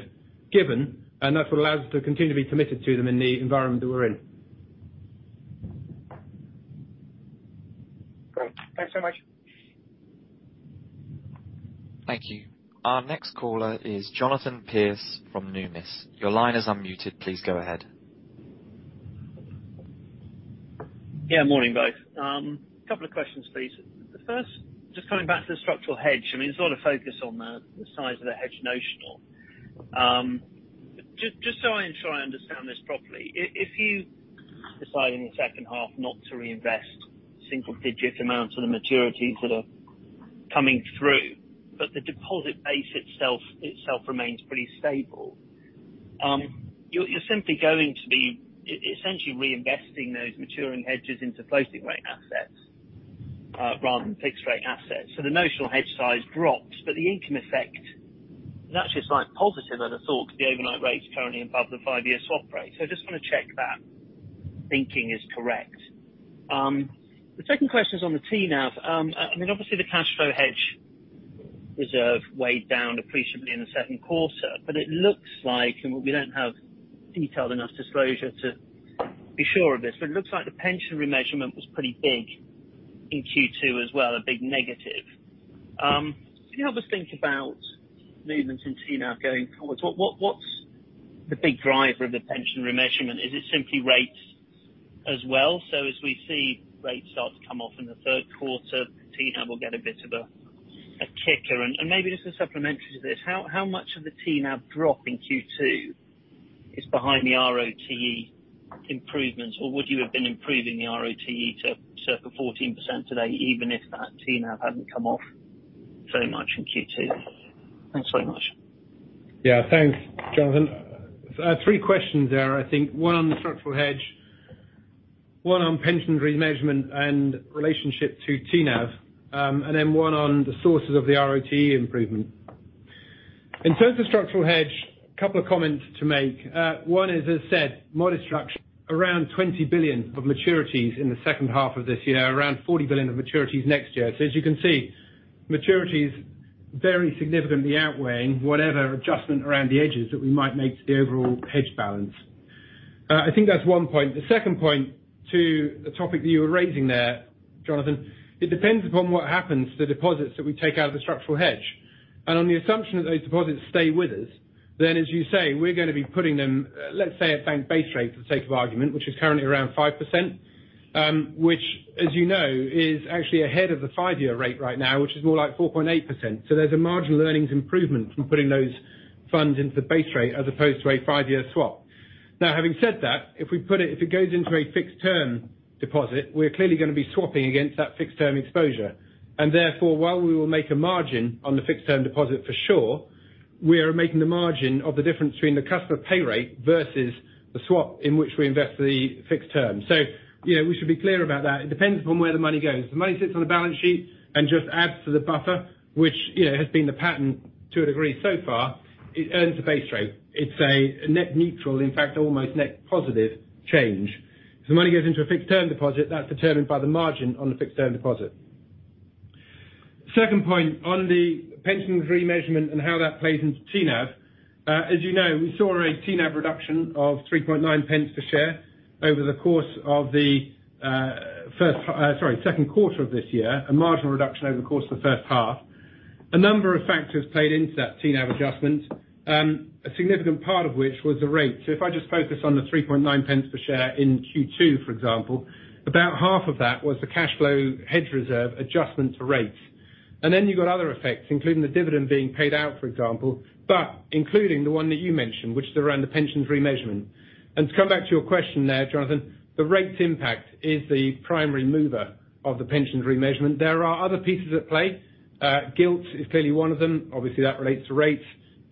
given, and that's what allows us to continue to be committed to them in the environment that we're in. Great. Thanks so much. Thank you. Our next caller is Jonathan Pierce from Numis. Your line is unmuted. Please go ahead. Morning, both. A couple of questions, please. The first, just coming back to the structural hedge, I mean, there's a lot of focus on the size of the hedge notional. Just so I try and understand this properly, if you decide in the second half not to reinvest single-digit amounts on the maturities that are coming through, but the deposit base itself remains pretty stable, you're simply going to be essentially reinvesting those maturing hedges into floating rate assets, rather than fixed rate assets. The notional hedge size drops, but the income effect is actually slight positive than I thought, because the overnight rate is currently above the five-year swap rate. Just want to check that thinking is correct. The second question is on the TNAV. I mean, obviously the cash flow hedge reserve weighed down appreciably in the second quarter, but it looks like, and we don't have detailed enough disclosure to be sure of this, but it looks like the pension remeasurement was pretty big in Q2 as well, a big negative. Can you help us think about movements in TNAV going forward? What's the big driver of the pension remeasurement? Is it simply rates as well? As we see rates start to come off in the third quarter, TNAV will get a bit of a kicker. Maybe just a supplementary to this, how much of the TNAV drop in Q2 is behind the RoTE improvements, or would you have been improving the RoTE to circa 14% today, even if that TNAV hadn't come off very much in Q2? Thanks so much. Yeah, thanks, Jonathan. Three questions there. I think one on the structural hedge, one on pension remeasurement and relationship to TNAV, and then one on the sources of the RoTE improvement. In terms of structural hedge, a couple of comments to make. One is, as said, modest structure, around 20 billion of maturities in the second half of this year, around 40 billion of maturities next year. As you can see, maturities very significantly outweighing whatever adjustment around the edges that we might make to the overall hedge balance. I think that's one point. The second point to the topic that you were raising there, Jonathan, it depends upon what happens to the deposits that we take out of the structural hedge. On the assumption that those deposits stay with us, then, as you say, we're going to be putting them, let's say, at bank base rate, for sake of argument, which is currently around 5%, which, as you know, is actually ahead of the five-year rate right now, which is more like 4.8%. There's a marginal earnings improvement from putting those funds into the base rate as opposed to a five-year swap. Now, having said that, if it goes into a fixed term deposit, we're clearly going to be swapping against that fixed term exposure, and therefore, while we will make a margin on the fixed term deposit for sure, we are making the margin of the difference between the customer pay rate versus the swap in which we invest the fixed term. Yeah, we should be clear about that. It depends upon where the money goes. If the money sits on the balance sheet and just adds to the buffer, which, you know, has been the pattern to a degree, so far, it earns a base rate. It's a net neutral, in fact, almost net positive change. If the money goes into a fixed term deposit, that's determined by the margin on the fixed term deposit. Second point, on the pensions remeasurement and how that plays into TNAV. As you know, we saw a TNAV reduction of 0.039 per share over the course of the first, sorry, second quarter of this year, a marginal reduction over the course of the first half. A number of factors played into that TNAV adjustment, a significant part of which was the rate. if I just focus on the 0.39 per share in Q2, for example, about half of that was the cashflow hedge reserve adjustment to rates. you've got other effects, including the dividend being paid out, for example, but including the one that you mentioned, which is around the pensions remeasurement. to come back to your question there, Jonathan, the rates impact is the primary mover of the pensions remeasurement. There are other pieces at play. gilt is clearly one of them. Obviously, that relates to rates,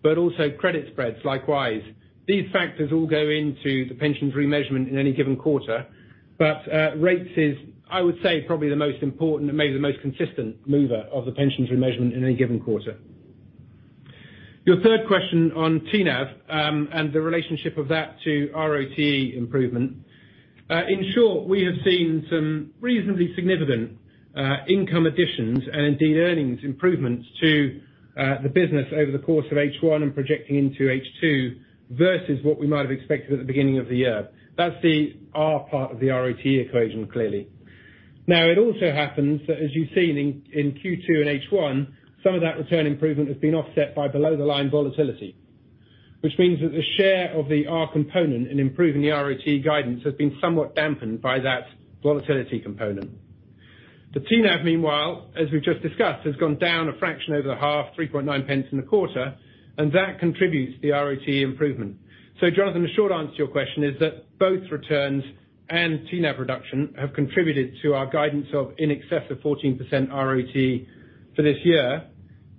but also credit spreads, likewise. These factors all go into the pensions remeasurement in any given quarter, but rates is, I would say, probably the most important, and maybe the most consistent mover of the pensions remeasurement in any given quarter. Your third question on TNAV, and the relationship of that to ROTE improvement. In short, we have seen some reasonably significant income additions and indeed, earnings improvements to the business over the course of H1 and projecting into H2, versus what we might have expected at the beginning of the year. That's the R part of the ROTE equation, clearly. It also happens that as you've seen in Q2 and H1, some of that return improvement has been offset by below-the-line volatility, which means that the share of the R component in improving the ROTE guidance has been somewhat dampened by that volatility component. The TNAV, meanwhile, as we've just discussed, has gone down a fraction over the half, 0.039 in the quarter, and that contributes to the ROTE improvement. Jonathan, the short answer to your question is that both returns and TNAV reduction have contributed to our guidance of in excess of 14% ROTE for this year,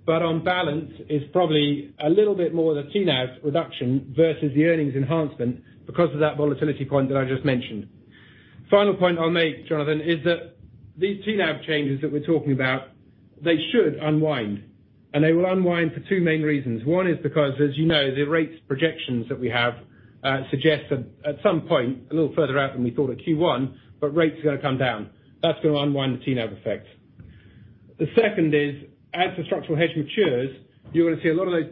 but on balance, it's probably a little bit more of the TNAV reduction versus the earnings enhancement because of that volatility point that I just mentioned. Final point I'll make, Jonathan, is that these TNAV changes that we're talking about, they should unwind, and they will unwind for two main reasons. One is because, as you know, the rates projections that we have, suggest that at some point, a little further out than we thought at Q1, but rates are going to come down. That's going to unwind the TNAV effect. The second is, as the structural hedge matures, you're going to see a lot of those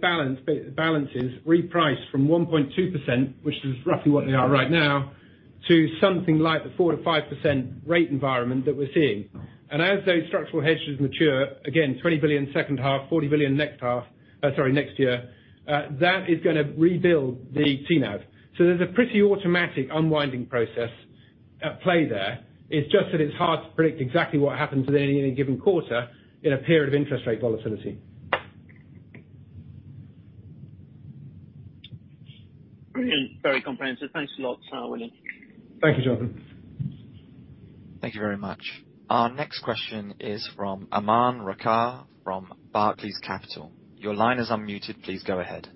balances repriced from 1.2%, which is roughly what they are right now, to something like the 4%-5% rate environment that we're seeing. As those structural hedges mature, again, 20 billion second half, 40 billion next half, sorry, next year, that is gonna rebuild the TNAV. There's a pretty automatic unwinding process at play there. It's just that it's hard to predict exactly what happens in any given quarter in a period of interest rate volatility. Brilliant. Very comprehensive. Thanks a lot, William. Thank you, Jonathan. Thank you very much. Our next question is from Aman Rakkar, from Barclays Capital. Your line is unmuted. Please go ahead.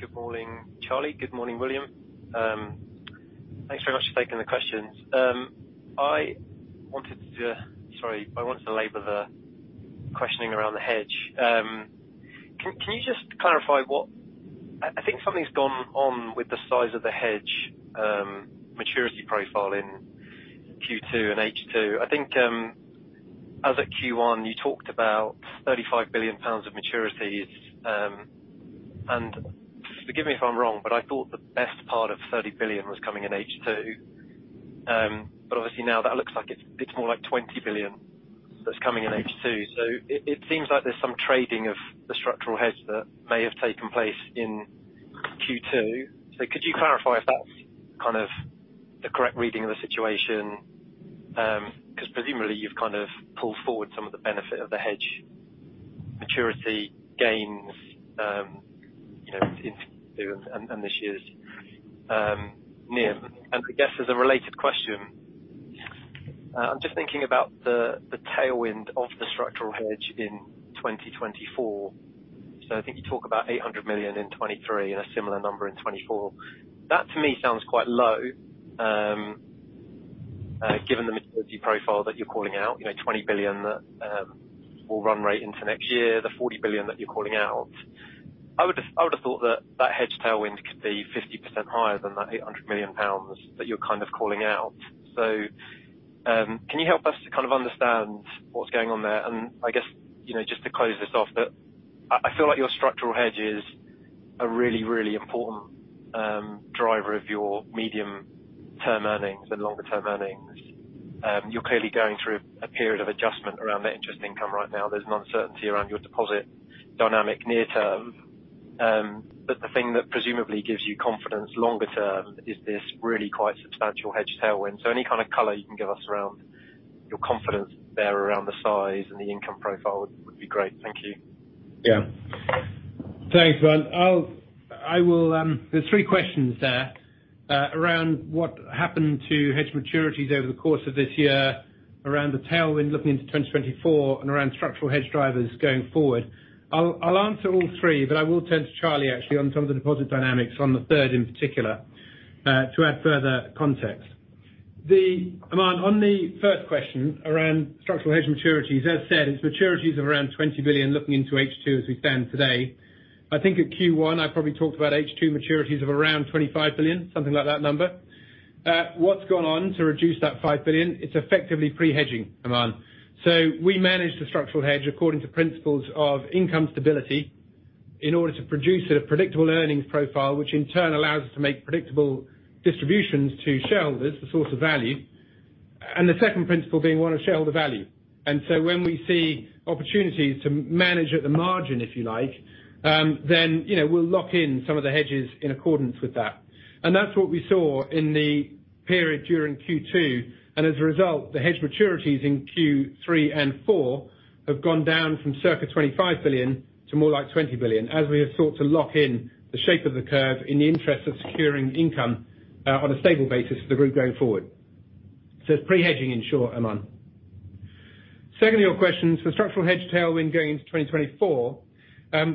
Good morning, Charlie. Good morning, William. Thanks very much for taking the questions. Sorry, I wanted to labor the questioning around the hedge. Can you just clarify what I think something's gone on with the size of the hedge, maturity profile in Q2 and H2? I think, as at Q1, you talked about 35 billion pounds of maturities, and forgive me if I'm wrong, but I thought the best part of 30 billion was coming in H2. Obviously now that looks like it's more like 20 billion that's coming in H2. It seems like there's some trading of the structural hedge that may have taken place in Q2. Could you clarify if that's kind of the correct reading of the situation? Because presumably you've kind of pulled forward some of the benefit of the hedge maturity gains, you know, in and this year's NIM. I guess as a related question, I'm just thinking about the tailwind of the structural hedge in 2024. I think you talk about 800 million in 2023 and a similar number in 2024. That, to me, sounds quite low, given the maturity profile that you're calling out. You know, 20 billion that will run rate into next year, the 40 billion that you're calling out. I would have thought that that hedge tailwind could be 50% higher than that 800 million pounds that you're kind of calling out. Can you help us to kind of understand what's going on there? I guess, you know, just to close this off, that I feel like your structural hedge is a really, really important driver of your medium-term earnings and longer-term earnings. You're clearly going through a period of adjustment around net interest income right now. There's an uncertainty around your deposit dynamic near term. The thing that presumably gives you confidence longer term is this really quite substantial hedge tailwind. Any kind of color you can give us around your confidence there, around the size and the income profile would be great. Thank you. Thanks, Aman. I will. There's three questions there around what happened to hedge maturities over the course of this year, around the tailwind looking into 2024, and around structural hedge drivers going forward. I'll answer all three, but I will turn to Charlie, actually, on some of the deposit dynamics on the third, in particular, to add further context. Aman, on the first question, around structural hedge maturities, as said, it's maturities of around 20 billion looking into H2 as we stand today. I think at Q1, I probably talked about H2 maturities of around 25 billion, something like that number. What's gone on to reduce that 5 billion? It's effectively pre-hedging, Aman. We manage the structural hedge according to principles of income stability, in order to produce a predictable earnings profile, which in turn allows us to make predictable distributions to shareholders, the source of value. The second principle being we want shareholder value. When we see opportunities to manage at the margin, if you like, you know, we'll lock in some of the hedges in accordance with that. That's what we saw in the period during Q2. As a result, the hedge maturities in Q3 and Q4 have gone down from circa 25 billion to more like 20 billion, as we have sought to lock in the shape of the curve in the interest of securing income on a stable basis for the Group going forward. It's pre-hedging, in short, Aman. Secondly, on your question, structural hedge tailwind going into 2024,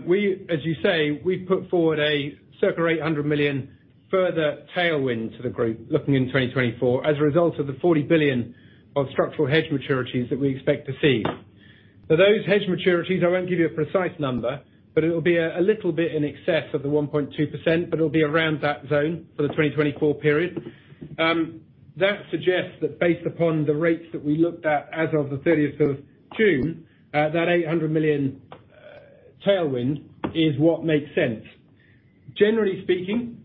we, as you say, we've put forward a circa 800 million further tailwind to the Group, looking into 2024, as a result of the 40 billion of structural hedge maturities that we expect to see. Those hedge maturities, I won't give you a precise number, but it'll be a little bit in excess of the 1.2%, but it'll be around that zone for the 2024 period. That suggests that based upon the rates that we looked at as of the 30th of June, that 800 million tailwind is what makes sense. Generally speaking,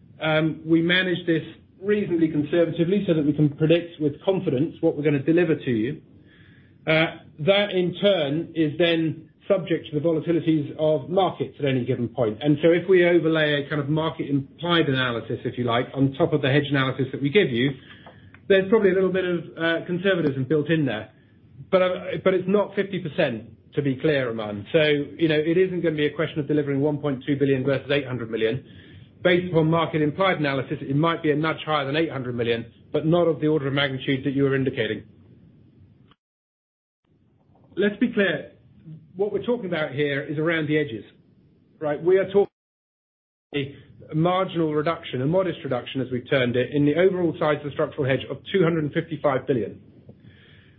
we manage this reasonably conservatively so that we can predict with confidence what we're going to deliver to you. That, in turn, is then subject to the volatilities of markets at any given point. If we overlay a kind of market-implied analysis, if you like, on top of the hedge analysis that we give you, there's probably a little bit of conservatism built in there. It's not 50%, to be clear, Aman. You know, it isn't going to be a question of delivering 1.2 billion versus 800 million. Based upon market implied analysis, it might be a nudge higher than 800 million, but not of the order of magnitude that you are indicating. Let's be clear, what we're talking about here is around the edges, right? We are talking a marginal reduction, a modest reduction, as we've termed it, in the overall size of the structural hedge of 255 billion.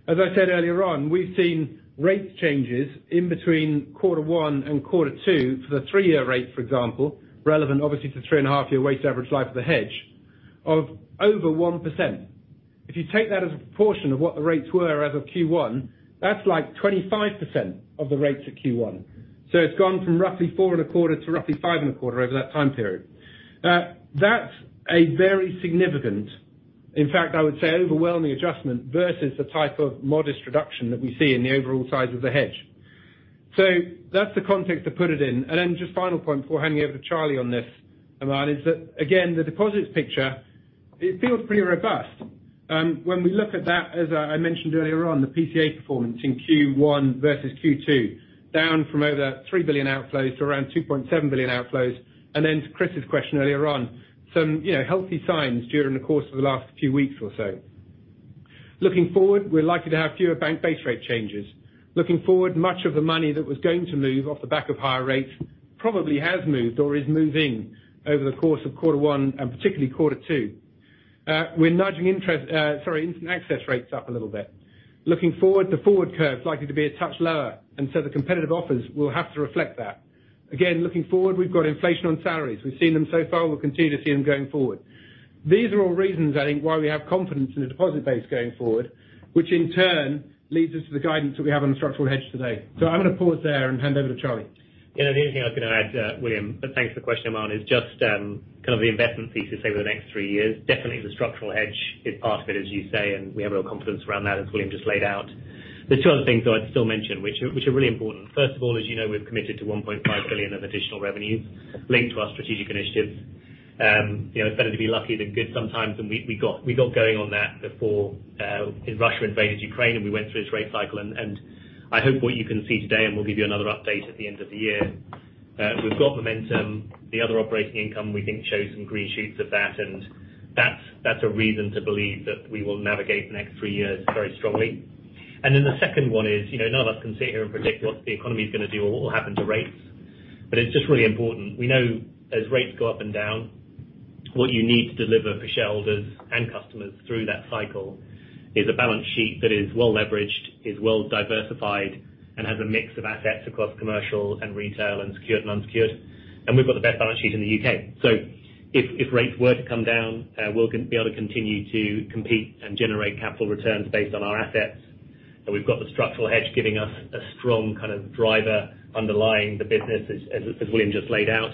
As I said earlier on, we've seen rate changes in between quarter one and quarter two for the three-year rate, for example, relevant obviously to three and half year weight average life of the hedge, of over 1%. If you take that as a proportion of what the rates were as of Q1, that's like 25% of the rates at Q1. It's gone from roughly 4.25 to roughly 5.25 over that time period. That's a very significant, in fact, I would say overwhelming adjustment, versus the type of modest reduction that we see in the overall size of the hedge. That's the context to put it in. Just final point before handing over to Charlie on this, Aman, is that, again, the deposits picture, it feels pretty robust. When we look at that, as I mentioned earlier on, the PCA performance in Q1 versus Q2, down from over 3 billion outflows to around 2.7 billion outflows. To Chris's question earlier on, some, you know, healthy signs during the course of the last few weeks or so. Looking forward, we're likely to have fewer bank base rate changes. Looking forward, much of the money that was going to move off the back of higher rates probably has moved or is moving over the course of quarter one and particularly quarter two. We're nudging instant access rates up a little bit. Looking forward, the forward curve is likely to be a touch lower. The competitive offers will have to reflect that. Again, looking forward, we've got inflation on salaries. We've seen them so far, we'll continue to see them going forward. These are all reasons, I think, why we have confidence in the deposit base going forward, which in turn leads us to the guidance that we have on the structural hedge today. I'm going to pause there and hand over to Charlie. Yeah, the only thing I was going to add, William, but thanks for the question, Aman, is just kind of the investment piece to say over the next three years. Definitely, the structural hedge is part of it, as you say, and we have real confidence around that, as William just laid out. There's two other things that I'd still mention, which are really important. First of all, as you know, we've committed to 1.5 billion of additional revenues linked to our strategic initiatives. you know, it's better to be lucky than good sometimes, and we got going on that before Russia invaded Ukraine, and we went through this rate cycle, and I hope what you can see today, and we'll give you another update at the end of the year, we've got momentum. The other operating income, we think, shows some green shoots of that's a reason to believe that we will navigate the next three years very strongly. The second one is, you know, none of us can sit here and predict what the economy is going to do or what will happen to rates, but it's just really important. We know as rates go up and down, what you need to deliver for shareholders and customers through that cycle is a balance sheet that is well leveraged, is well diversified, and has a mix of assets across commercial and retail, and secured and unsecured. We've got the best balance sheet in the U.K. If rates were to come down, we'll be able to continue to compete and generate capital returns based on our assets. We've got the structural hedge giving us a strong kind of driver underlying the business, as William just laid out.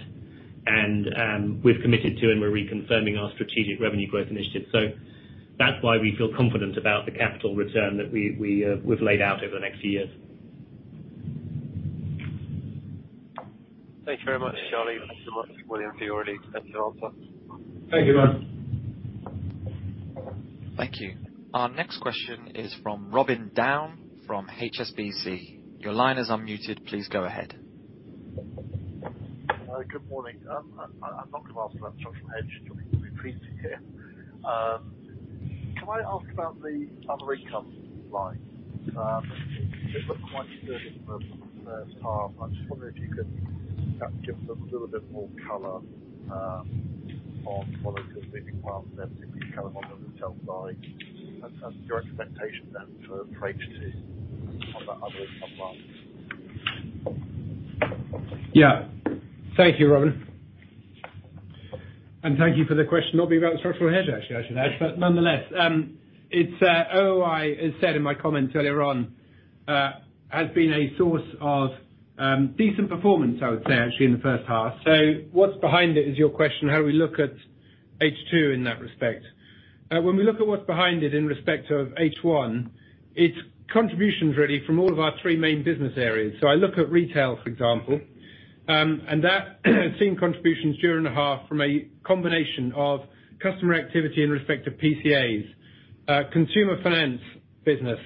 We've committed to and we're reconfirming our strategic revenue growth initiative. That's why we feel confident about the capital return that we've laid out over the next few years. Thank you very much, Charlie. Thank you so much, William, for your really extensive answer. Thank you, Aman. Thank you. Our next question is from Robin Down from HSBC. Your line is unmuted. Please go ahead. Hi, good morning. I'm not going to ask about structural hedge. Nothing to be repeated here. Can I ask about the other income line? It looked quite good in the first half. I'm just wondering if you could give us a little bit more color on what it was leading well, then if you can on the retail side, and your expectations then for H2 on the other income line? Yeah. Thank you, Robin. Thank you for the question, not being about the structural hedge, actually, I should add. Nonetheless, it's OOI, as said in my comments earlier on, has been a source of decent performance, I would say, actually, in the first half. What's behind it is your question, how we look at H2 in that respect. When we look at what's behind it in respect of H1, it's contributions really from all of our three main business areas. I look at retail, for example, and that has seen contributions year and a half from a combination of customer activity in respect to PCAs, consumer finance business,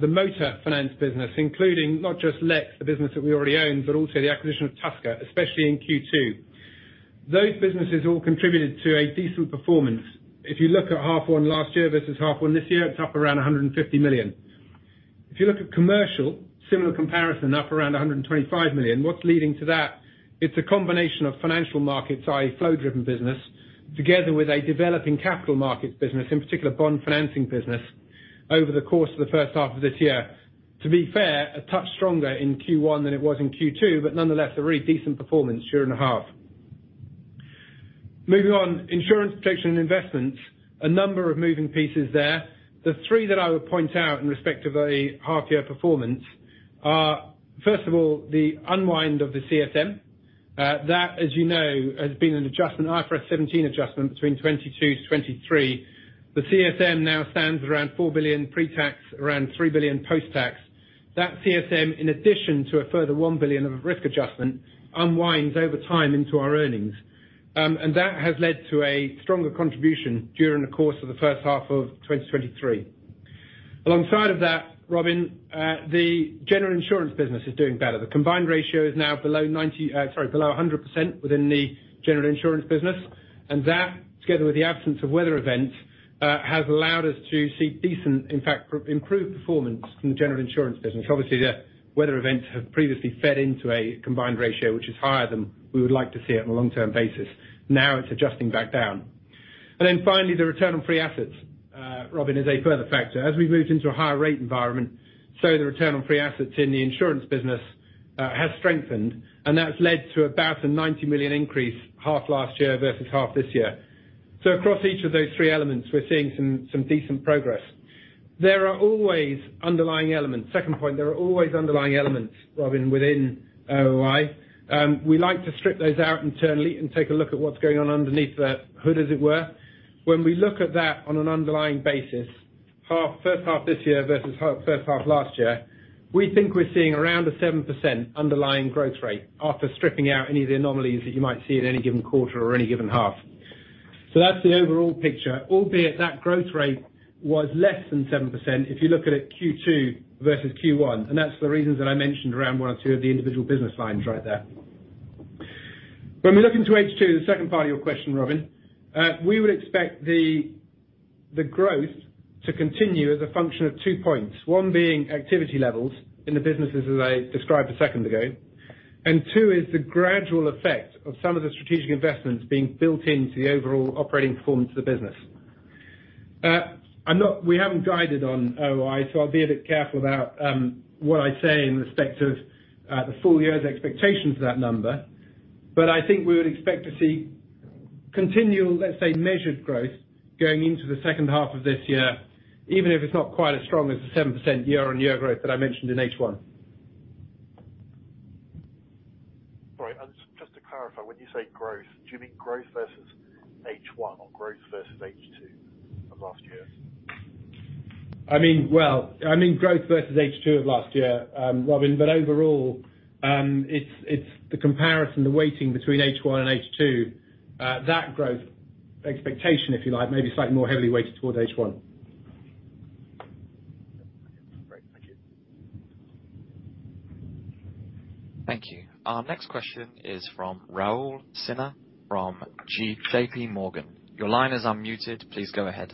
the motor finance business, including not just Lex, the business that we already own, but also the acquisition of Tusker, especially in Q2. Those businesses all contributed to a decent performance. If you look at half one last year versus half one this year, it's up around 150 million. If you look at commercial, similar comparison, up around 125 million. What's leading to that? It's a combination of financial markets, i.e., flow-driven business, together with a developing capital markets business, in particular, bond financing business, over the course of the first half of this year. To be fair, a touch stronger in Q1 than it was in Q2, but nonetheless, a really decent performance year and a half. Moving on, insurance protection and investments, a number of moving pieces there. The three that I would point out in respect of a half year performance are, first of all, the unwind of the CSM. That, as you know, has been an adjustment, IFRS 17 adjustment between 2022, 2023. The CSM now stands around 4 billion pre-tax, around 3 billion post-tax. That CSM, in addition to a further 1 billion of risk adjustment, unwinds over time into our earnings. That has led to a stronger contribution during the course of the first half of 2023. Alongside of that, Robin, the general insurance business is doing better. The combined ratio is now below 90, sorry, below 100% within the general insurance business. That, together with the absence of weather events, has allowed us to see decent, in fact, improved performance from the general insurance business. Obviously, the weather events have previously fed into a combined ratio, which is higher than we would like to see it on a long-term basis. Now, it's adjusting back down. Finally, the return on free assets, Robin, is a further factor. As we've moved into a higher rate environment, so the return on free assets in the insurance business, has strengthened, and that's led to about a 90 million increase half last year versus half this year. Across each of those three elements, we're seeing some decent progress. There are always underlying elements. Second point, there are always underlying elements, Robin, within OOI. We like to strip those out internally and take a look at what's going on underneath the hood, as it were. When we look at that on an underlying basis, first half this year versus first half last year, we think we're seeing around a 7% underlying growth rate after stripping out any of the anomalies that you might see at any given quarter or any given half. That's the overall picture, albeit that growth rate was less than 7% if you look at it Q2 versus Q1, and that's the reasons that I mentioned around one or two of the individual business lines right there. When we look into H2, the second part of your question, Robin, we would expect the growth to continue as a function of two points, one being activity levels in the businesses as I described a second ago, and two is the gradual effect of some of the strategic investments being built into the overall operating performance of the business. We haven't guided on OOI, so I'll be a bit careful about what I say in respect of the full year's expectations for that number, but I think we would expect to see continual, let's say, measured growth going into the second half of this year, even if it's not quite as strong as the 7% year-on-year growth that I mentioned in H1. Sorry, just to clarify, when you say growth, do you mean growth versus H1 or growth versus H2 of last year? I mean, well, I mean growth versus H2 of last year, Robin, but overall, it's the comparison, the weighting between H1 and H2, that growth expectation, if you like, may be slightly more heavily weighted towards H1. Great. Thank you. Thank you. Our next question is from Rahul Sinha from JPMorgan. Your line is unmuted. Please go ahead.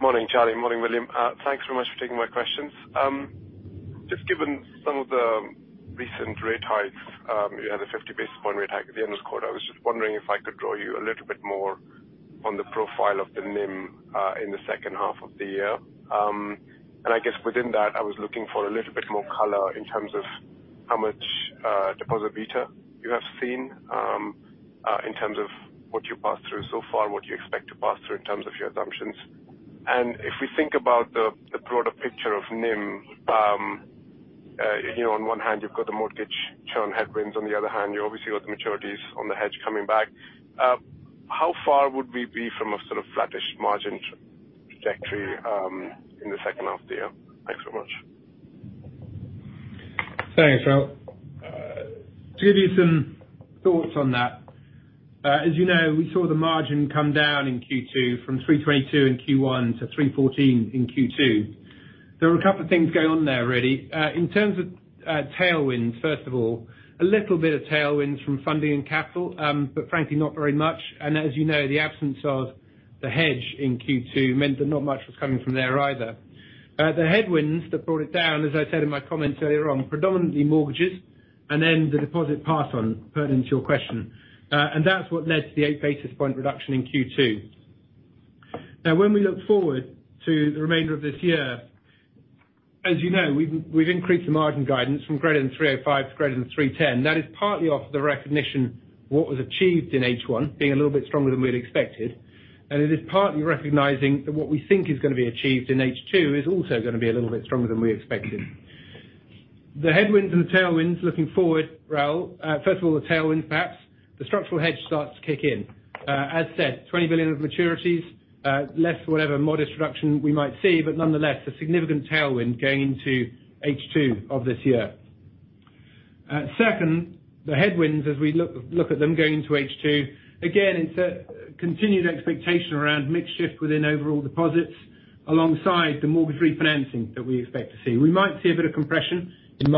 Morning, Charlie. Morning, William. Thanks so much for taking my questions. Just given some of the recent rate hikes, you had a 50 basis point rate hike at the end of this quarter. I was just wondering if I could draw you a little more on the profile of the NIM in the second half of the year. I guess within that, I was looking for a little more color in terms of how much deposit beta you have seen in terms of what you passed through so far, and what you expect to pass through in terms of your assumptions. If we think about the broader picture of NIM, you know, on one hand, you've got the mortgage churn headwinds. On the other hand, you obviously got the maturities on the hedge coming back. How far would we be from a sort of flattish margin trajectory, in the second half of the year? Thanks so much. Thanks, Rahul. To give you some thoughts on that, as you know, we saw the margin come down in Q2 from 322 in Q1 to 314 in Q2. There were a couple of things going on there already. In terms of tailwinds, first of all, a little bit of tailwinds from funding and capital, but frankly, not very much. As you know, the absence of the hedge in Q2 meant that not much was coming from there either. The headwinds that brought it down, as I said in my comments earlier on, predominantly mortgages and then the deposit pass on, pertinent to your question. That's what led to the 8 basis point reduction in Q2. When we look forward to the remainder of this year, as you know, we've increased the margin guidance from greater than 305% to greater than 310%. That is partly off the recognition of what was achieved in H1, being a little bit stronger than we'd expected, and it is partly recognizing that what we think is going to be achieved in H2 is also going to be a little bit stronger than we expected. The headwinds and the tailwinds, looking forward, Rahul, first of all, the tailwind, perhaps, the structural hedge starts to kick in. As said, 20 billion of maturities, less whatever modest reduction we might see, but nonetheless, a significant tailwind going into H2 of this year. Second, the headwinds, as we look at them going into H2, again, it's a continued expectation around mix shift within overall deposits, alongside the mortgage refinancing that we expect to see. We might see a bit of compression in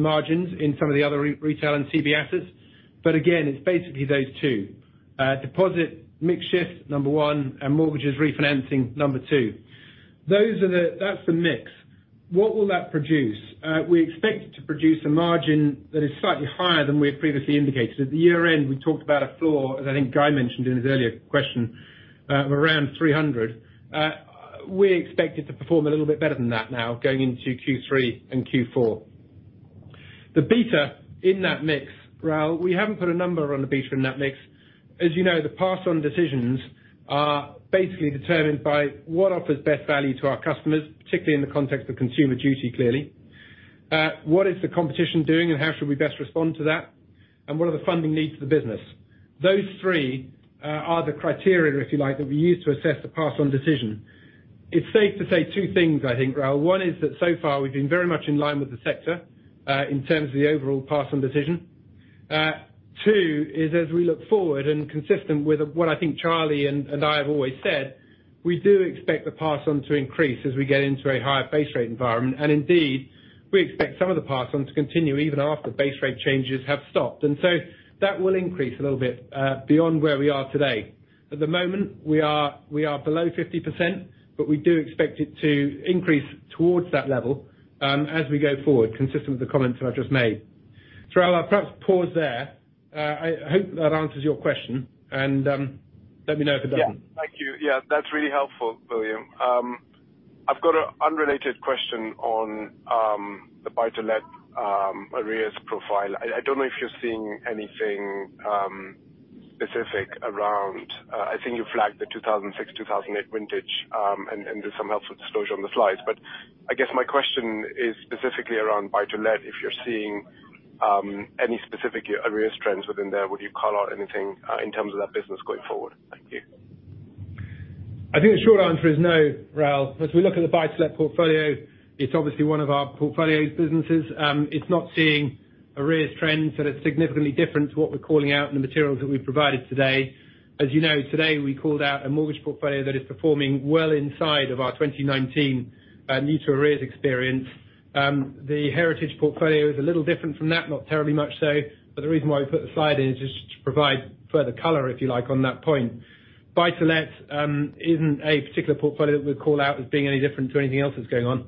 margins in some of the other retail and CBS. Again, it's basically those two. Deposit mix shift, number one, and mortgages refinancing, number two. That's the mix. What will that produce? We expect it to produce a margin that is slightly higher than we had previously indicated. At the year end, we talked about a floor, as I think Guy mentioned in his earlier question, of around 300. We expect it to perform a little bit better than that now, going into Q3 and Q4. The beta in that mix, Rahul, we haven't put a number on the beta in that mix. As you know, the pass on decisions are basically determined by what offers best value to our customers, particularly in the context of consumer duty, clearly. What is the competition doing, and how should we best respond to that? What are the funding needs of the business? Those three are the criteria, if you like, that we use to assess the pass on decision. It's safe to say two things, I think, Rahul. One is that so far, we've been very much in line with the sector, in terms of the overall pass-on decision. Two is, as we look forward and consistent with what I think Charlie and I have always said, we do expect the pass-on to increase as we get into a higher base rate environment. Indeed, we expect some of the pass on to continue even after base rate changes have stopped. That will increase a little bit beyond where we are today. At the moment, we are below 50%, but we do expect it to increase towards that level as we go forward, consistent with the comments that I've just made. Rahul, I'll perhaps pause there. I hope that answers your question, let me know if it doesn't. Yeah. Thank you. Yeah, that's really helpful, William. I've got an unrelated question on the Buy to Let arrears profile. I don't know if you're seeing anything specific around. I think you flagged the 2006, 2008 vintage, and there's some helpful disclosure on the slides. I guess my question is specifically around Buy to Let. If you're seeing any specific arrears trends within there, would you call out anything in terms of that business going forward? Thank you. I think the short answer is no, Rahul. As we look at the Buy to Let portfolio, it's obviously one of our portfolio's businesses. It's not seeing arrears trends that are significantly different to what we're calling out in the materials that we've provided today. As you know, today, we called out a mortgage portfolio that is performing well inside of our 2019 new to arrears experience. The Heritage portfolio is a little different from that, not terribly much so, but the reason why we put the slide in is just to provide further color, if you like, on that point. Buy to Let isn't a particular portfolio that we call out as being any different to anything else that's going on.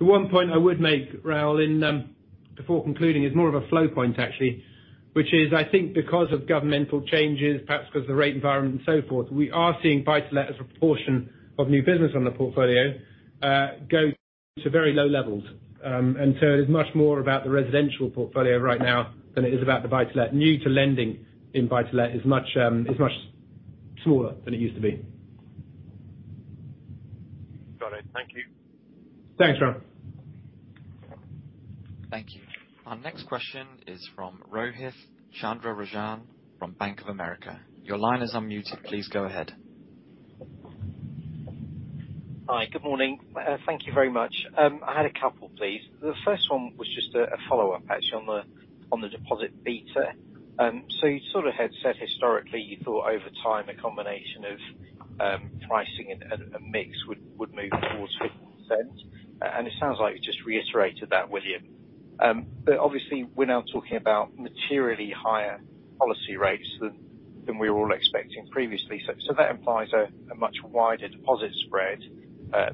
The one point I would make, Rahul, in before concluding, is more of a flow point, actually, which is, I think because of governmental changes, perhaps because of the rate environment and so forth, we are seeing Buy to Let as a proportion of new business on the portfolio go to very low levels. It is much more about the residential portfolio right now than it is about the Buy to Let. New to lending in Buy to Let is much smaller than it used to be. Got it. Thank you. Thanks, Rahul. Thank you. Our next question is from Rohith Chandra-Rajan, from Bank of America. Your line is unmuted. Please go ahead. Hi, good morning. Thank you very much. I had a couple, please. The first one was just a follow-up, actually, on the deposit beta. You sort of had said historically, you thought over time, a combination of pricing and mix would move towards 50%. It sounds like you just reiterated that, William. Obviously, we're now talking about materially higher policy rates than we were all expecting previously. That implies a much wider deposit spread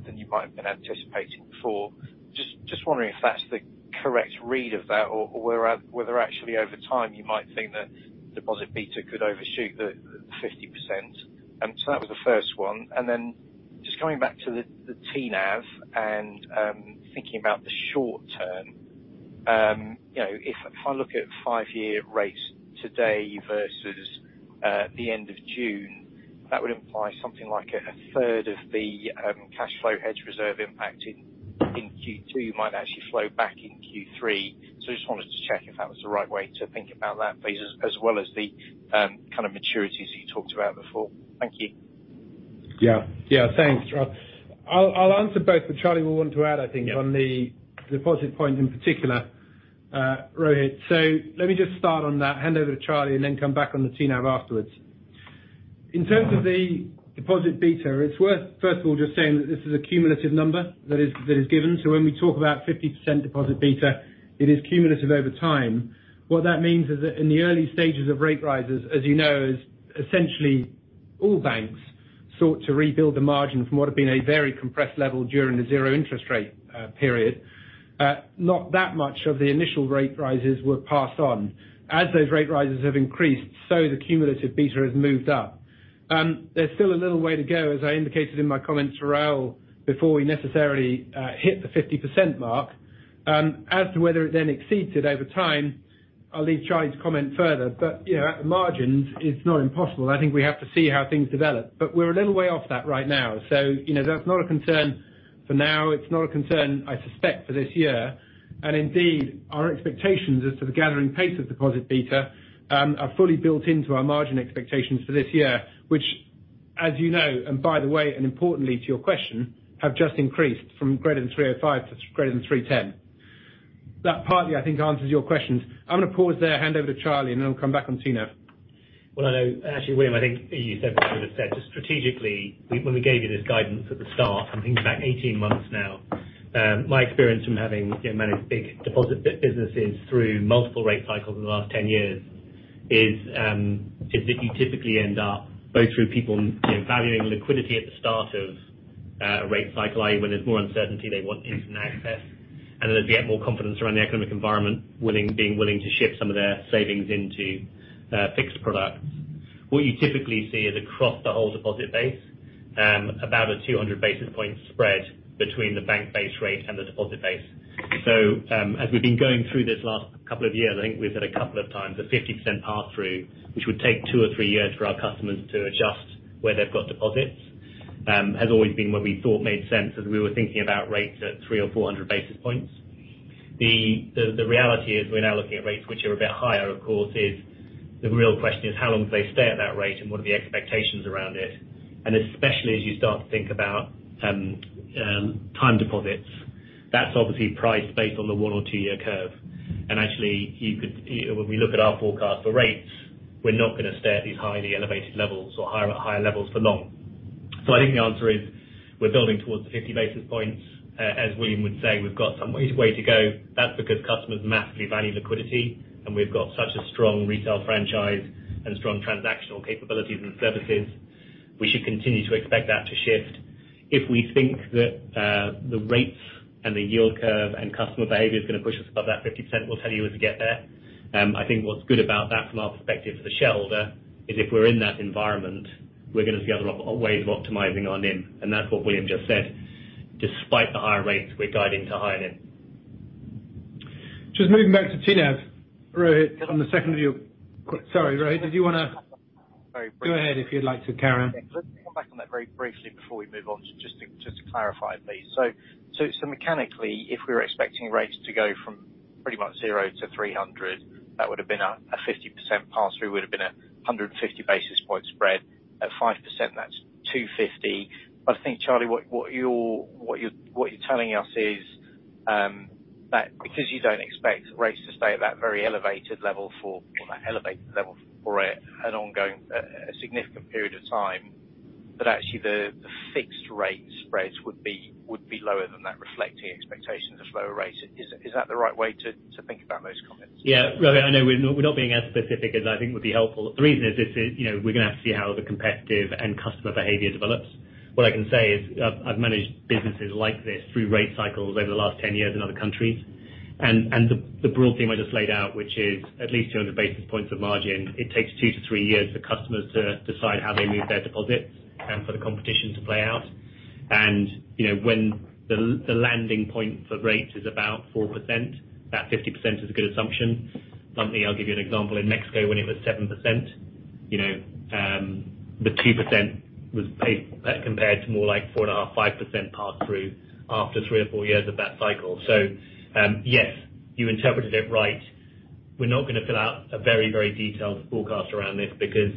than you might have been anticipating before. Just wondering if that's the correct read of that, or whether actually, over time, you might think that deposit beta could overshoot the 50%. That was the first one. Just coming back to the TNAV and thinking about the short term. You know, if I look at five-year rates today versus the end of June, that would imply something like a third of the cash flow hedge reserve impact in Q2 might actually flow back in Q3. Just wanted to check if that was the right way to think about that, please, as well as the kind of maturities you talked about before. Thank you. Yeah, thanks, Rohith. I'll answer both, but Charlie will want to add, I think. Yeah on the deposit point in particular, Rohith. Let me just start on that, hand over to Charlie, and then come back on the TNAV afterwards. In terms of the deposit beta, it's worth, first of all, just saying that this is a cumulative number that is, that is given. When we talk about 50% deposit beta, it is cumulative over time. What that means is that in the early stages of rate rises, as you know, is essentially all banks sought to rebuild the margin from what had been a very compressed level during the zero interest rate period. Not that much of the initial rate rises were passed on. As those rate rises have increased, so the cumulative beta has moved up. There's still a little way to go, as I indicated in my comments to Rahul, before we necessarily hit the 50% mark. As to whether it then exceeds it over time, I'll leave Charlie Nunn to comment further, but, you know, at the margins, it's not impossible. I think we have to see how things develop. We're a little way off that right now, so, you know, that's not a concern for now. It's not a concern, I suspect, for this year. Indeed, our expectations as to the gathering pace of deposit beta are fully built into our margin expectations for this year. Which, as you know, and by the way, and importantly to your question, have just increased from greater than 305 to greater than 310. That partly, I think, answers your questions. I'm gonna pause there and hand over to Charlie. Then I'll come back on TNAV. Well, I know, actually, William, I think you said what I would've said. Just strategically, when we gave you this guidance at the start, I'm thinking back 18 months now, my experience from having, you know, managed big deposit businesses through multiple rate cycles in the last 10 years, is that you typically end up both through people, you know, valuing liquidity at the start of a rate cycle, i.e., when there's more uncertainty, they want instant access. As they get more confidence around the economic environment, being willing to shift some of their savings into fixed products. What you typically see is across the whole deposit base, about a 200 basis point spread between the bank base rate and the deposit base. As we've been going through this last couple of years, I think we've said a couple of times, a 50% pass-through, which would take two or three years for our customers to adjust where they've got deposits, has always been where we thought made sense as we were thinking about rates at 300 or 400 basis points. The reality is we're now looking at rates which are a bit higher, of course, is the real question is: How long do they stay at that rate, and what are the expectations around it? Especially as you start to think about time deposits, that's obviously priced based on the one or two-year curve. Actually, you could, you know, when we look at our forecast for rates, we're not gonna stay at these highly elevated levels or higher levels for long. I think the answer is, we're building towards the 50 basis points. As William would say, we've got some way to go. That's because customers massively value liquidity, and we've got such a strong retail franchise and strong transactional capabilities and services. We should continue to expect that to shift. If we think that, the rates and the yield curve and customer behavior is gonna push us above that 50%, we'll tell you as we get there. I think what's good about that from our perspective as a shareholder, is if we're in that environment, we're gonna be able to look at ways of optimizing our NIM. That's what William just said. Despite the higher rates, we're guiding to higher NIM. Just moving back to TNAV, Rohith, on the second of your... Sorry, Rohith, did you wanna... Sorry. Go ahead, if you'd like to carry on. Yeah. Let's come back on that very briefly before we move on, just to clarify, please. Mechanically, if we were expecting rates to go from pretty much 0 to 300, that would have been a 50% pass-through, would have been a 150 basis point spread. At 5%, that's 250. I think, Charlie, what you're telling us is that because you don't expect rates to stay at that very elevated level for, or that elevated level for an ongoing, a significant period of time, that actually the fixed rate spreads would be lower than that, reflecting expectations of lower rates. Is that the right way to think about those comments? Yeah. Rohith, I know we're not being as specific as I think would be helpful. The reason is, you know, we're gonna have to see how the competitive and customer behavior develops. What I can say is, I've managed businesses like this through rate cycles over the last 10 years in other countries. The broad theme I just laid out, which is at least 200 basis points of margin, it takes two-three years for customers to decide how they move their deposits, and for the competition to play out. You know, when the landing point for rates is about 4%, that 50% is a good assumption. Something I'll give you an example, in Mexico, when it was 7%, you know, the 2% was paid compared to more like 4.5%-5% pass-through after three or four years of that cycle. Yes, you interpreted it right. We're not gonna fill out a very, very detailed forecast around this because